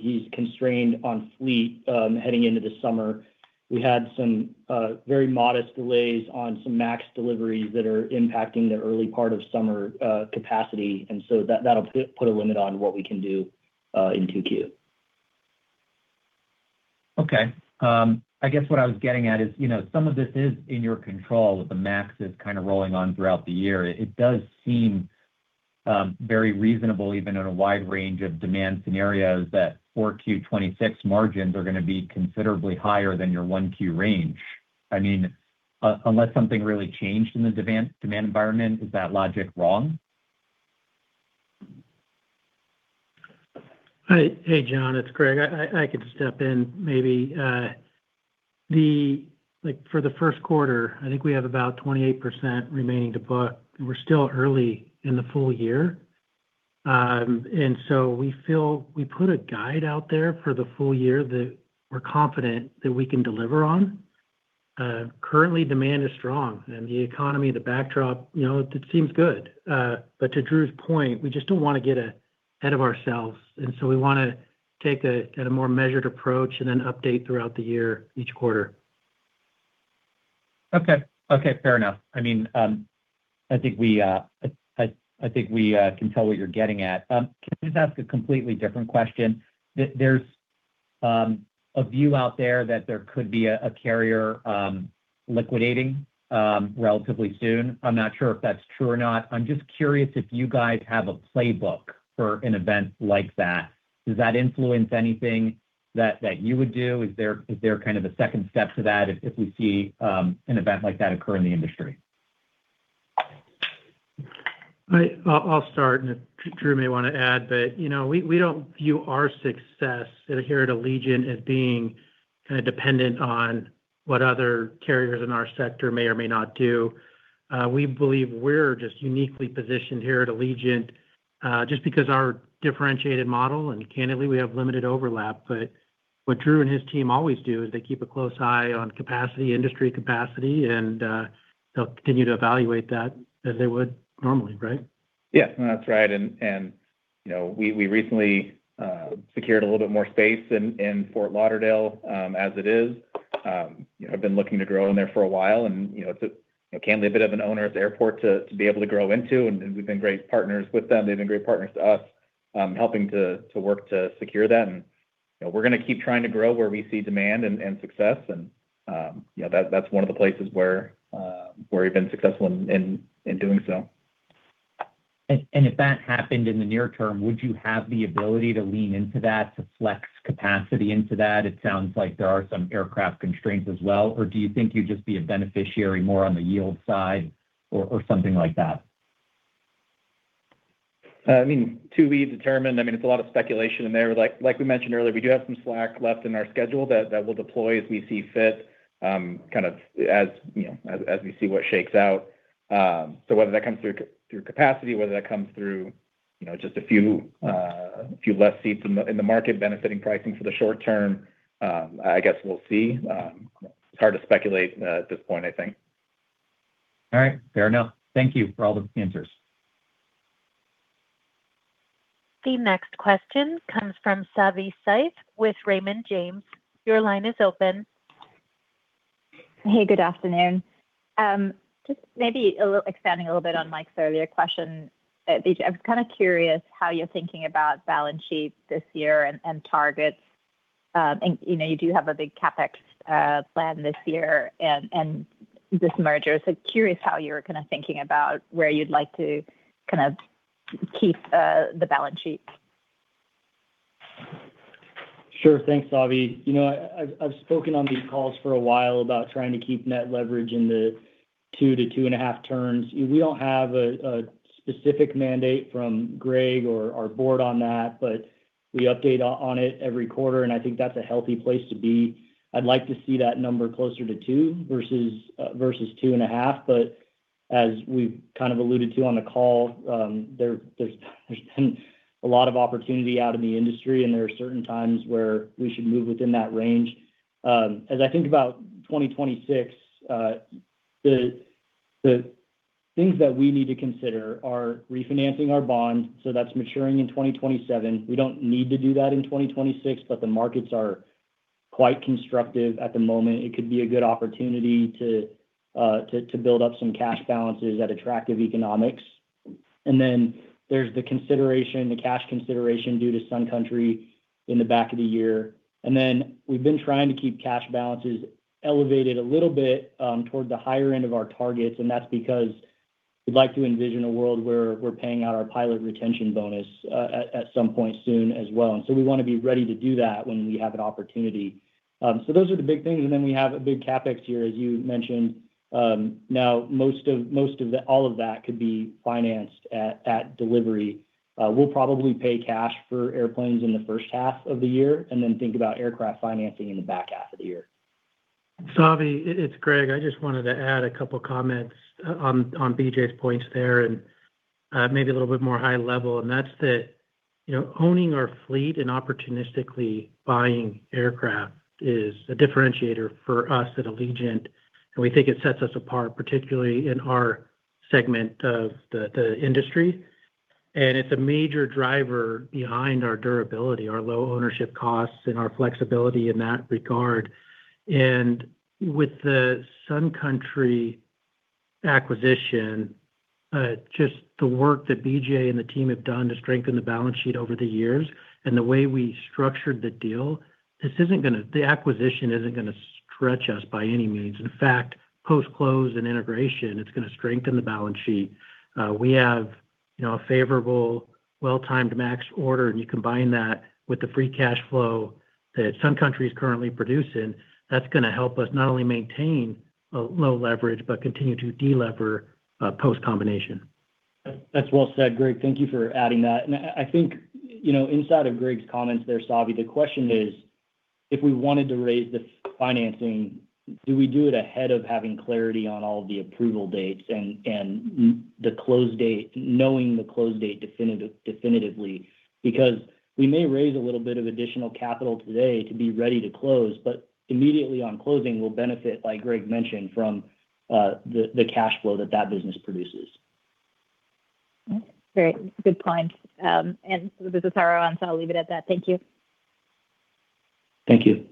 he's constrained on fleet heading into the summer. We had some very modest delays on some MAX deliveries that are impacting the early part of summer capacity. And so that'll put a limit on what we can do in 2Q. Okay. I guess what I was getting at is some of this is in your control with the MAXs kind of rolling on throughout the year. It does seem very reasonable, even in a wide range of demand scenarios, that 4Q 2026 margins are going to be considerably higher than your 1Q range. I mean, unless something really changed in the demand environment, is that logic wrong? Hey, John. It's Greg. I could step in maybe. For the first quarter, I think we have about 28% remaining to book, and we're still early in the full year. So we put a guide out there for the full year that we're confident that we can deliver on. Currently, demand is strong, and the economy, the backdrop, it seems good. But to Drew's point, we just don't want to get ahead of ourselves. So we want to take a more measured approach and then update throughout the year each quarter. Okay. Okay. Fair enough. I mean, I think we can tell what you're getting at. Can I just ask a completely different question? There's a view out there that there could be a carrier liquidating relatively soon. I'm not sure if that's true or not. I'm just curious if you guys have a playbook for an event like that. Does that influence anything that you would do? Is there kind of a second step to that if we see an event like that occur in the industry? I'll start, and Drew may want to add, but we don't view our success here at Allegiant as being kind of dependent on what other carriers in our sector may or may not do. We believe we're just uniquely positioned here at Allegiant just because our differentiated model and candidly, we have limited overlap. But what Drew and his team always do is they keep a close eye on capacity, industry capacity, and they'll continue to evaluate that as they would normally, right? Yeah. That's right. And we recently secured a little bit more space in Fort Lauderdale as it is. I've been looking to grow in there for a while, and it's candidly a bit of an onerous airport to be able to grow into. And we've been great partners with them. They've been great partners to us, helping to work to secure that. And we're going to keep trying to grow where we see demand and success. And that's one of the places where we've been successful in doing so. If that happened in the near term, would you have the ability to lean into that, to flex capacity into that? It sounds like there are some aircraft constraints as well. Or do you think you'd just be a beneficiary more on the yield side or something like that? I mean, to be determined. I mean, it's a lot of speculation in there. Like we mentioned earlier, we do have some slack left in our schedule that we'll deploy as we see fit kind of as we see what shakes out. So whether that comes through capacity, whether that comes through just a few less seats in the market benefiting pricing for the short term, I guess we'll see. It's hard to speculate at this point, I think. All right. Fair enough. Thank you for all the answers. The next question comes from Savanthi Syth with Raymond James. Your line is open. Hey. Good afternoon. Just maybe expanding a little bit on Mike's earlier question, I was kind of curious how you're thinking about balance sheet this year and targets. You do have a big CapEx plan this year and this merger. Curious how you're kind of thinking about where you'd like to kind of keep the balance sheet. Sure. Thanks, Savi. I've spoken on these calls for a while about trying to keep net leverage in the 2-2.5 turns. We don't have a specific mandate from Greg or our board on that, but we update on it every quarter, and I think that's a healthy place to be. I'd like to see that number closer to 2 versus 2.5. But as we've kind of alluded to on the call, there's been a lot of opportunity out in the industry, and there are certain times where we should move within that range. As I think about 2026, the things that we need to consider are refinancing our bond. So that's maturing in 2027. We don't need to do that in 2026, but the markets are quite constructive at the moment. It could be a good opportunity to build up some cash balances at attractive economics. And then there's the cash consideration due to Sun Country in the back of the year. And then we've been trying to keep cash balances elevated a little bit toward the higher end of our targets, and that's because we'd like to envision a world where we're paying out our pilot retention bonus at some point soon as well. And so we want to be ready to do that when we have an opportunity. So those are the big things. And then we have a big CapEx here, as you mentioned. Now, most of all of that could be financed at delivery. We'll probably pay cash for airplanes in the first half of the year and then think about aircraft financing in the back half of the year. Savi, it's Greg. I just wanted to add a couple of comments on BJ's points there and maybe a little bit more high-level. That's that owning our fleet and opportunistically buying aircraft is a differentiator for us at Allegiant, and we think it sets us apart, particularly in our segment of the industry. It's a major driver behind our durability, our low ownership costs, and our flexibility in that regard. With the Sun Country acquisition, just the work that BJ and the team have done to strengthen the balance sheet over the years and the way we structured the deal, the acquisition isn't going to stretch us by any means. In fact, post-close and integration, it's going to strengthen the balance sheet. We have a favorable, well-timed MAX order, and you combine that with the free cash flow that Sun Country is currently producing, that's going to help us not only maintain low leverage but continue to delever post-combination. That's well said, Greg. Thank you for adding that. I think inside of Greg's comments there, Savi, the question is, if we wanted to raise the financing, do we do it ahead of having clarity on all of the approval dates and knowing the close date definitively? Because we may raise a little bit of additional capital today to be ready to close, but immediately on closing, we'll benefit, like Greg mentioned, from the cash flow that that business produces. Great. Good points. And so this is our view, and so I'll leave it at that. Thank you. Thank you.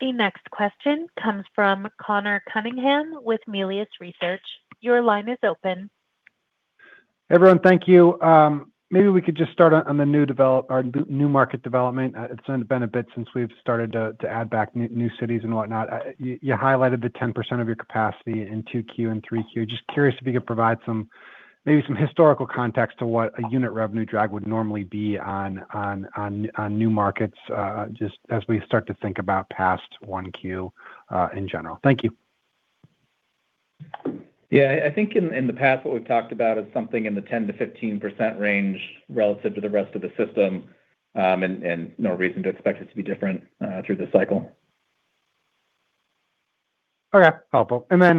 The next question comes from Conor Cunningham with Melius Research. Your line is open. Hey, everyone. Thank you. Maybe we could just start on the new market development. It's been a bit since we've started to add back new cities and whatnot. You highlighted the 10% of your capacity in 2Q and 3Q. Just curious if you could provide maybe some historical context to what a unit revenue drag would normally be on new markets just as we start to think about past 1Q in general? Thank you. Yeah. I think in the past, what we've talked about is something in the 10%-15% range relative to the rest of the system, and no reason to expect it to be different through the cycle. Okay. Helpful. And then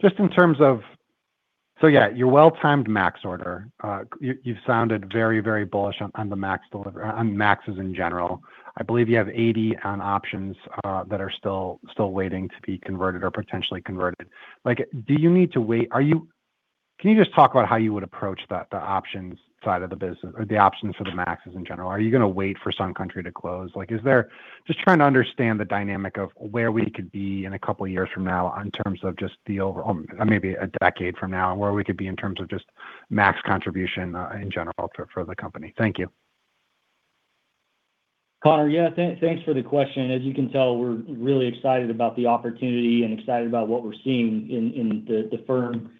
just in terms of so yeah, your well-timed MAX order, you've sounded very, very bullish on the MAXs in general. I believe you have 80 on options that are still waiting to be converted or potentially converted. Do you need to wait? Can you just talk about how you would approach the options side of the business or the options for the MAXs in general? Are you going to wait for Sun Country to close? Just trying to understand the dynamic of where we could be in a couple of years from now in terms of just the overall maybe a decade from now and where we could be in terms of just MAX contribution in general for the company. Thank you. Conor, yeah, thanks for the question. As you can tell, we're really excited about the opportunity and excited about what we're seeing in the firm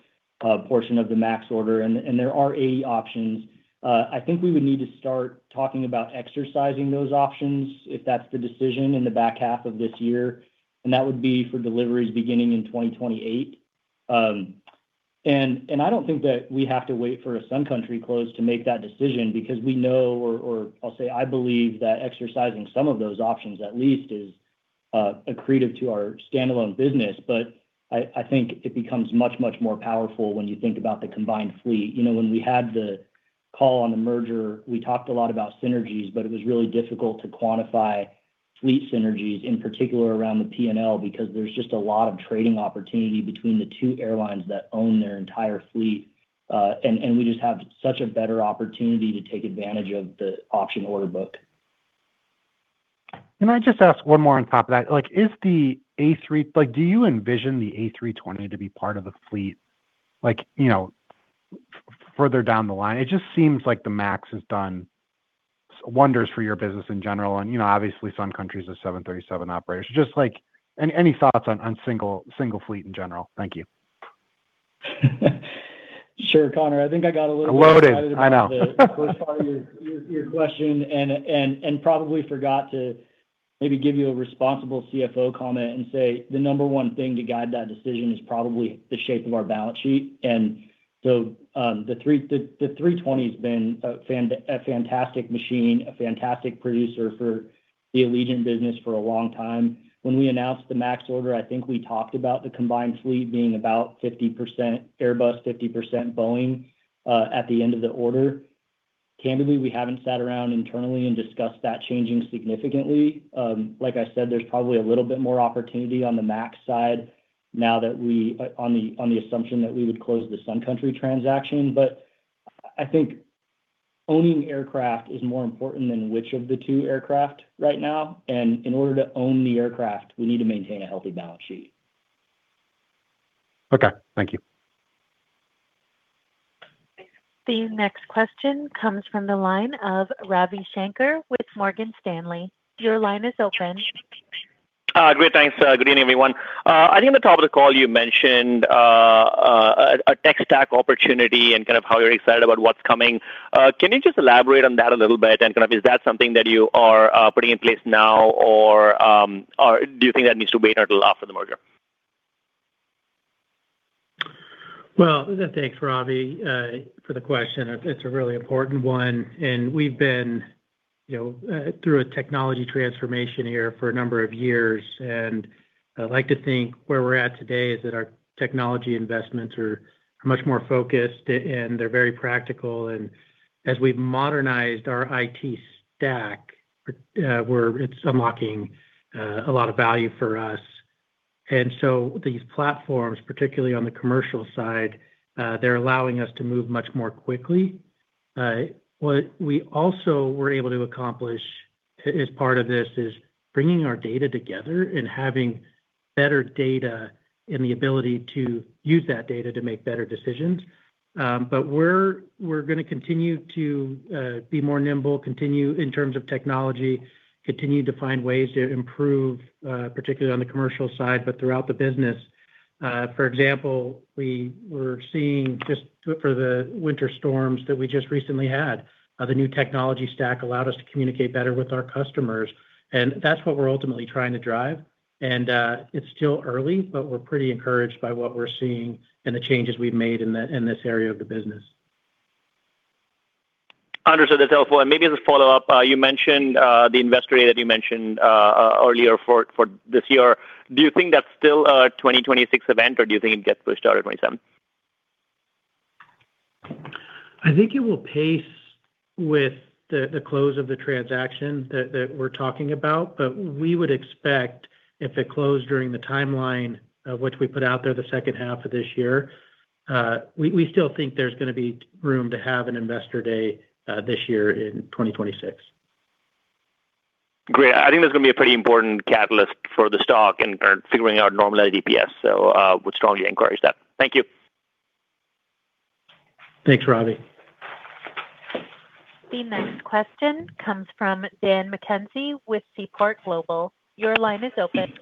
portion of the MAX order. There are 80 options. I think we would need to start talking about exercising those options if that's the decision in the back half of this year. That would be for deliveries beginning in 2028. I don't think that we have to wait for a Sun Country close to make that decision because we know or I'll say I believe that exercising some of those options, at least, is accretive to our standalone business. But I think it becomes much, much more powerful when you think about the combined fleet. When we had the call on the merger, we talked a lot about synergies, but it was really difficult to quantify fleet synergies, in particular around the P&L, because there's just a lot of trading opportunity between the two airlines that own their entire fleet. We just have such a better opportunity to take advantage of the option order book. Can I just ask one more on top of that? Is the A3 do you envision the A320 to be part of the fleet further down the line? It just seems like the MAX has done wonders for your business in general. And obviously, Sun Country is a 737 operator. So just any thoughts on single fleet in general? Thank you. Sure, Connor. I think I got a little bit excited about the first part of your question and probably forgot to maybe give you a responsible CFO comment and say the number one thing to guide that decision is probably the shape of our balance sheet. And so the 320 has been a fantastic machine, a fantastic producer for the Allegiant business for a long time. When we announced the MAX order, I think we talked about the combined fleet being about 50% Airbus, 50% Boeing at the end of the order. Candidly, we haven't sat around internally and discussed that changing significantly. Like I said, there's probably a little bit more opportunity on the MAX side now that we on the assumption that we would close the Sun Country transaction. But I think owning aircraft is more important than which of the two aircraft right now. In order to own the aircraft, we need to maintain a healthy balance sheet. Okay. Thank you. The next question comes from the line of Ravi Shanker with Morgan Stanley. Your line is open. Great. Thanks. Good evening, everyone. I think at the top of the call, you mentioned a tech stack opportunity and kind of how you're excited about what's coming. Can you just elaborate on that a little bit? And kind of is that something that you are putting in place now, or do you think that needs to wait until after the merger? Well, thanks, Ravi, for the question. It's a really important one. We've been through a technology transformation here for a number of years. I'd like to think where we're at today is that our technology investments are much more focused, and they're very practical. As we've modernized our IT stack, it's unlocking a lot of value for us. These platforms, particularly on the commercial side, they're allowing us to move much more quickly. What we also were able to accomplish as part of this is bringing our data together and having better data and the ability to use that data to make better decisions. But we're going to continue to be more nimble, continue in terms of technology, continue to find ways to improve, particularly on the commercial side, but throughout the business. For example, we were seeing just for the winter storms that we just recently had, the new technology stack allowed us to communicate better with our customers. That's what we're ultimately trying to drive. It's still early, but we're pretty encouraged by what we're seeing and the changes we've made in this area of the business. Understood. That's helpful. And maybe as a follow-up, you mentioned the investor day that you mentioned earlier for this year. Do you think that's still a 2026 event, or do you think it gets pushed out to 2027? I think it will pace with the close of the transaction that we're talking about. But we would expect if it closed during the timeline of which we put out there the second half of this year, we still think there's going to be room to have an investor day this year in 2026. Great. I think that's going to be a pretty important catalyst for the stock and figuring out normal EPS. So would strongly encourage that. Thank you. Thanks, Ravi. The next question comes from Dan McKenzie with Seaport Global. Your line is open.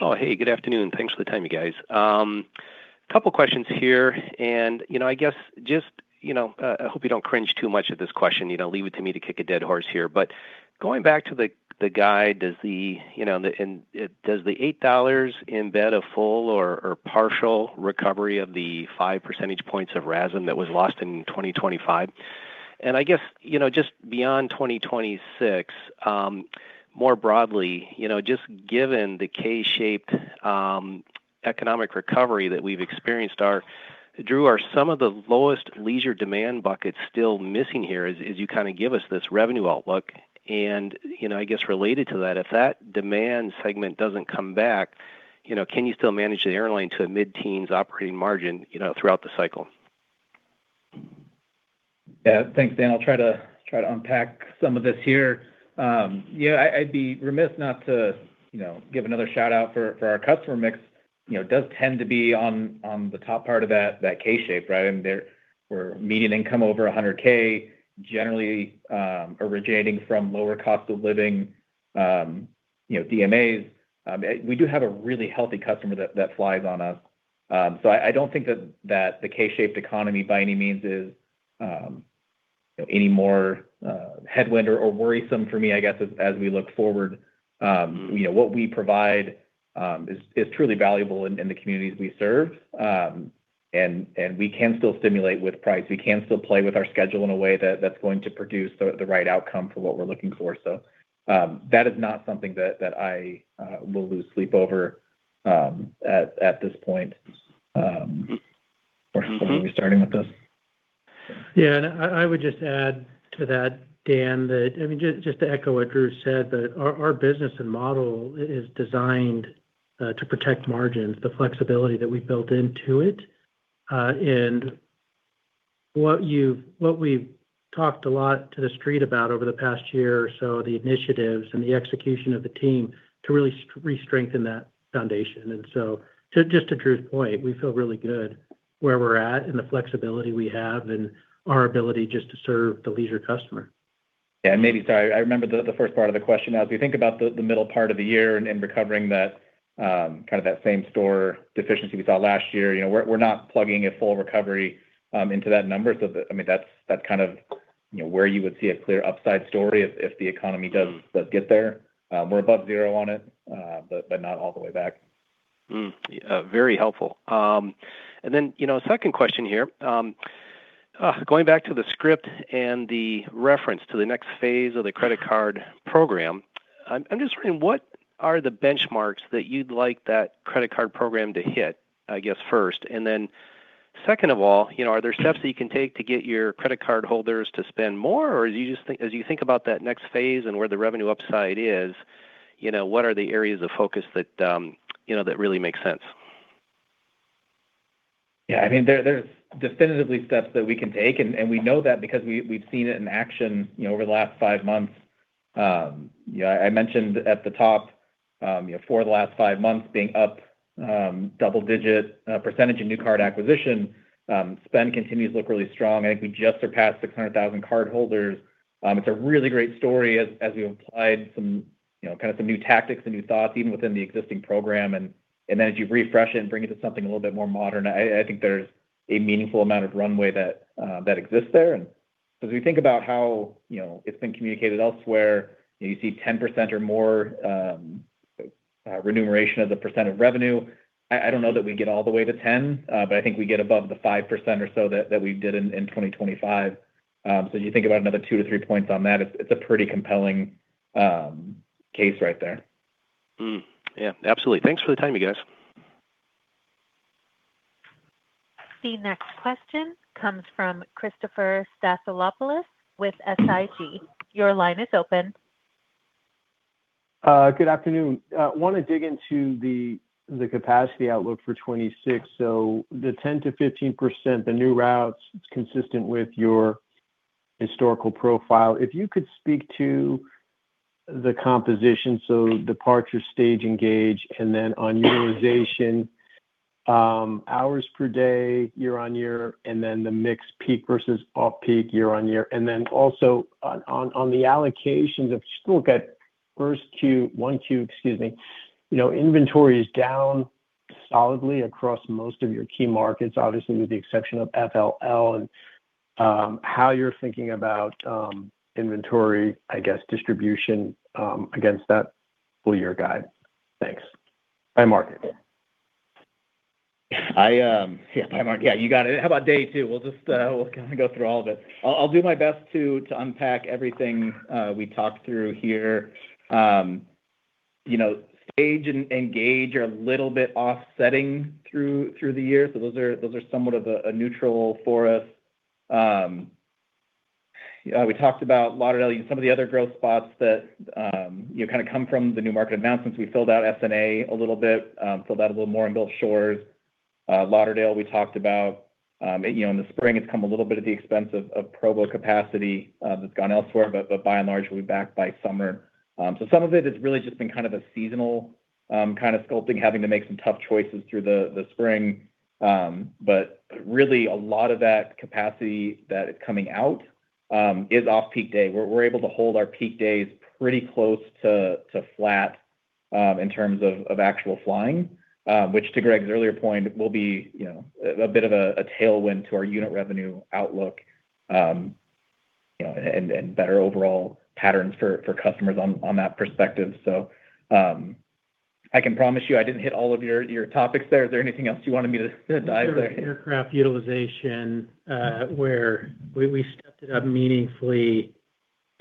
Oh, hey. Good afternoon. Thanks for the time, you guys. A couple of questions here. And I guess just I hope you don't cringe too much at this question. Leave it to me to kick a dead horse here. But going back to the guide, does the $8 embed a full or partial recovery of the 5 percentage points of RASM that was lost in 2025? And I guess just beyond 2026, more broadly, just given the K-shaped economic recovery that we've experienced, Drew, are some of the lowest leisure demand buckets still missing here as you kind of give us this revenue outlook? And I guess related to that, if that demand segment doesn't come back, can you still manage the airline to a mid-teens operating margin throughout the cycle? Yeah. Thanks, Dan. I'll try to unpack some of this here. Yeah, I'd be remiss not to give another shout-out for our customer mix. It does tend to be on the top part of that K-shape, right? I mean, we're median income over 100K, generally originating from lower cost of living DMAs. We do have a really healthy customer that flies on us. So I don't think that the K-shaped economy by any means is any more headwind or worrisome for me, I guess, as we look forward. What we provide is truly valuable in the communities we serve. And we can still stimulate with price. We can still play with our schedule in a way that's going to produce the right outcome for what we're looking for. So that is not something that I will lose sleep over at this point or when we're starting with this. Yeah. And I would just add to that, Dan, that I mean, just to echo what Drew said, that our business and model is designed to protect margins, the flexibility that we've built into it, and what we've talked a lot to the street about over the past year or so, the initiatives and the execution of the team to really restrengthen that foundation. And so just to Drew's point, we feel really good where we're at and the flexibility we have and our ability just to serve the leisure customer. Yeah. And maybe, sorry, I remember the first part of the question. As we think about the middle part of the year and recovering kind of that same store deficiency we saw last year, we're not plugging a full recovery into that number. So, I mean, that's kind of where you would see a clear upside story if the economy does get there. We're above zero on it, but not all the way back. Very helpful. And then second question here. Going back to the script and the reference to the next phase of the credit card program, I'm just wondering, what are the benchmarks that you'd like that credit card program to hit, I guess, first? And then second of all, are there steps that you can take to get your credit card holders to spend more? Or as you think about that next phase and where the revenue upside is, what are the areas of focus that really make sense? Yeah. I mean, there's definitely steps that we can take. And we know that because we've seen it in action over the last five months. I mentioned at the top, for the last five months, being up double-digit percentage in new card acquisition. Spend continues to look really strong. I think we just surpassed 600,000 cardholders. It's a really great story as we've applied kind of some new tactics and new thoughts, even within the existing program. And then as you refresh it and bring it to something a little bit more modern, I think there's a meaningful amount of runway that exists there. And as we think about how it's been communicated elsewhere, you see 10% or more remuneration as a percent of revenue. I don't know that we get all the way to 10, but I think we get above the 5% or so that we did in 2025. As you think about another 2-3 points on that, it's a pretty compelling case right there. Yeah. Absolutely. Thanks for the time, you guys. The next question comes from Christopher Stathoulopoulos with SIG. Your line is open. Good afternoon. Want to dig into the capacity outlook for 2026. So the 10%-15%, the new routes, it's consistent with your historical profile. If you could speak to the composition, so departure, stage, engage, and then on utilization, hours per day, year-on-year, and then the mixed peak versus off-peak, year-on-year. And then also on the allocations of just look at first Q, 1Q, excuse me. Inventory is down solidly across most of your key markets, obviously, with the exception of FLL and how you're thinking about inventory, I guess, distribution against that full-year guide. Thanks. By market. Yeah. By market. Yeah, you got it. How about day two? We'll kind of go through all of it. I'll do my best to unpack everything we talked through here. Stage and gauge are a little bit offsetting through the year. So those are somewhat of a neutral for us. We talked about Lauderdale, some of the other growth spots that kind of come from the new market announcements. We filled out SNA a little bit, filled out a little more in both shores. Lauderdale, we talked about. In the spring, it's come a little bit at the expense of Provo capacity that's gone elsewhere. But by and large, we'll be back by summer. So some of it has really just been kind of a seasonal kind of sculpting, having to make some tough choices through the spring. But really, a lot of that capacity that is coming out is off-peak day. We're able to hold our peak days pretty close to flat in terms of actual flying, which, to Greg's earlier point, will be a bit of a tailwind to our unit revenue outlook and better overall patterns for customers on that perspective. So I can promise you I didn't hit all of your topics there. Is there anything else you wanted me to dive there? Aircraft utilization, where we stepped it up meaningfully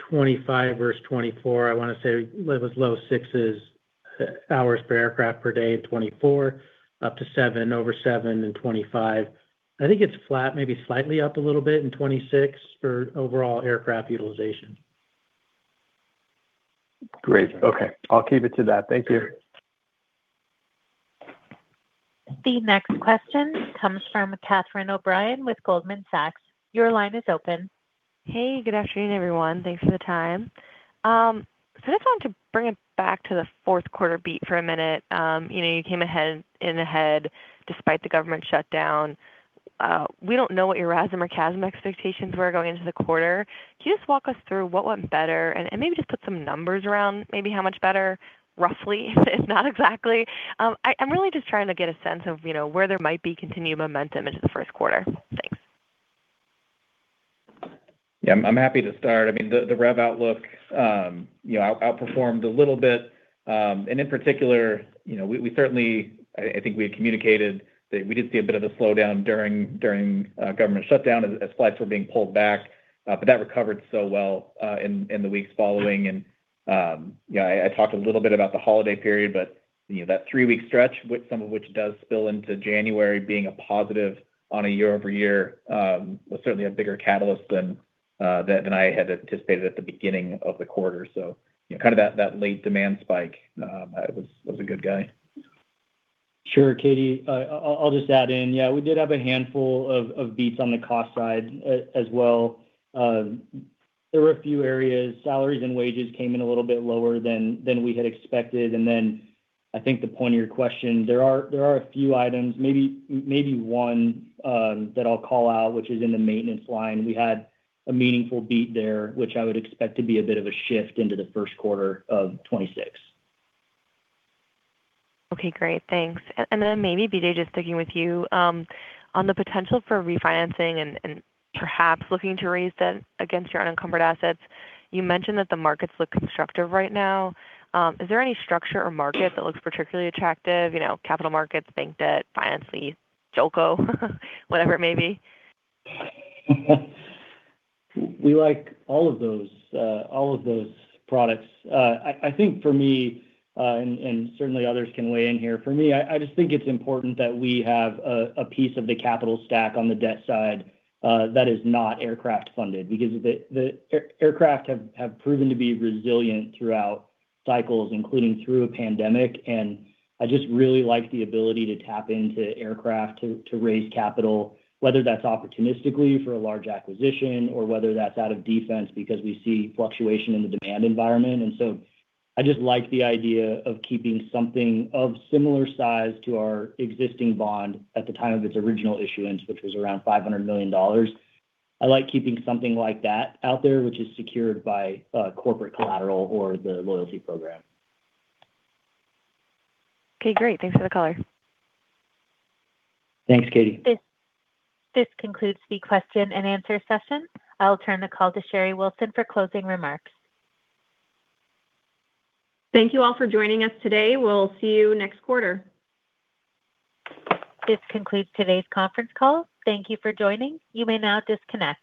2025 versus 2024. I want to say it was low 6s, hours per aircraft per day in 2024, up to 7, over 7 in 2025. I think it's flat, maybe slightly up a little bit in 2026 for overall aircraft utilization. Great. Okay. I'll keep it to that. Thank you. The next question comes from Catherine O'Brien with Goldman Sachs. Your line is open. Hey. Good afternoon, everyone. Thanks for the time. So I just wanted to bring it back to the fourth-quarter beat for a minute. You came in ahead despite the government shutdown. We don't know what your RASM or CASM expectations were going into the quarter. Can you just walk us through what went better and maybe just put some numbers around maybe how much better, roughly, if not exactly? I'm really just trying to get a sense of where there might be continued momentum into the first quarter. Thanks. Yeah. I'm happy to start. I mean, the rev outlook outperformed a little bit. And in particular, we certainly, I think, we had communicated that we did see a bit of a slowdown during government shutdown as flights were being pulled back. But that recovered so well in the weeks following. And yeah, I talked a little bit about the holiday period, but that three-week stretch, some of which does spill into January, being a positive on a year-over-year was certainly a bigger catalyst than I had anticipated at the beginning of the quarter. So kind of that late demand spike was a good guy. Sure, Katie. I'll just add in. Yeah, we did have a handful of beats on the cost side as well. There were a few areas. Salaries and wages came in a little bit lower than we had expected. And then I think the point of your question, there are a few items, maybe one that I'll call out, which is in the maintenance line. We had a meaningful beat there, which I would expect to be a bit of a shift into the first quarter of 2026. Okay. Great. Thanks. And then maybe, BJ, just sticking with you, on the potential for refinancing and perhaps looking to raise that against your unencumbered assets, you mentioned that the markets look constructive right now. Is there any structure or market that looks particularly attractive? Capital markets, bank debt, finance lease, JOLCO, whatever it may be? We like all of those products. I think for me, and certainly others can weigh in here, for me, I just think it's important that we have a piece of the capital stack on the debt side that is not aircraft-funded because aircraft have proven to be resilient throughout cycles, including through a pandemic. And I just really like the ability to tap into aircraft to raise capital, whether that's opportunistically for a large acquisition or whether that's out of defense because we see fluctuation in the demand environment. And so I just like the idea of keeping something of similar size to our existing bond at the time of its original issuance, which was around $500 million. I like keeping something like that out there, which is secured by corporate collateral or the loyalty program. Okay. Great. Thanks for the color. Thanks, Catie. This concludes the question and answer session. I'll turn the call to Sherry Wilson for closing remarks. Thank you all for joining us today. We'll see you next quarter. This concludes today's conference call. Thank you for joining. You may now disconnect.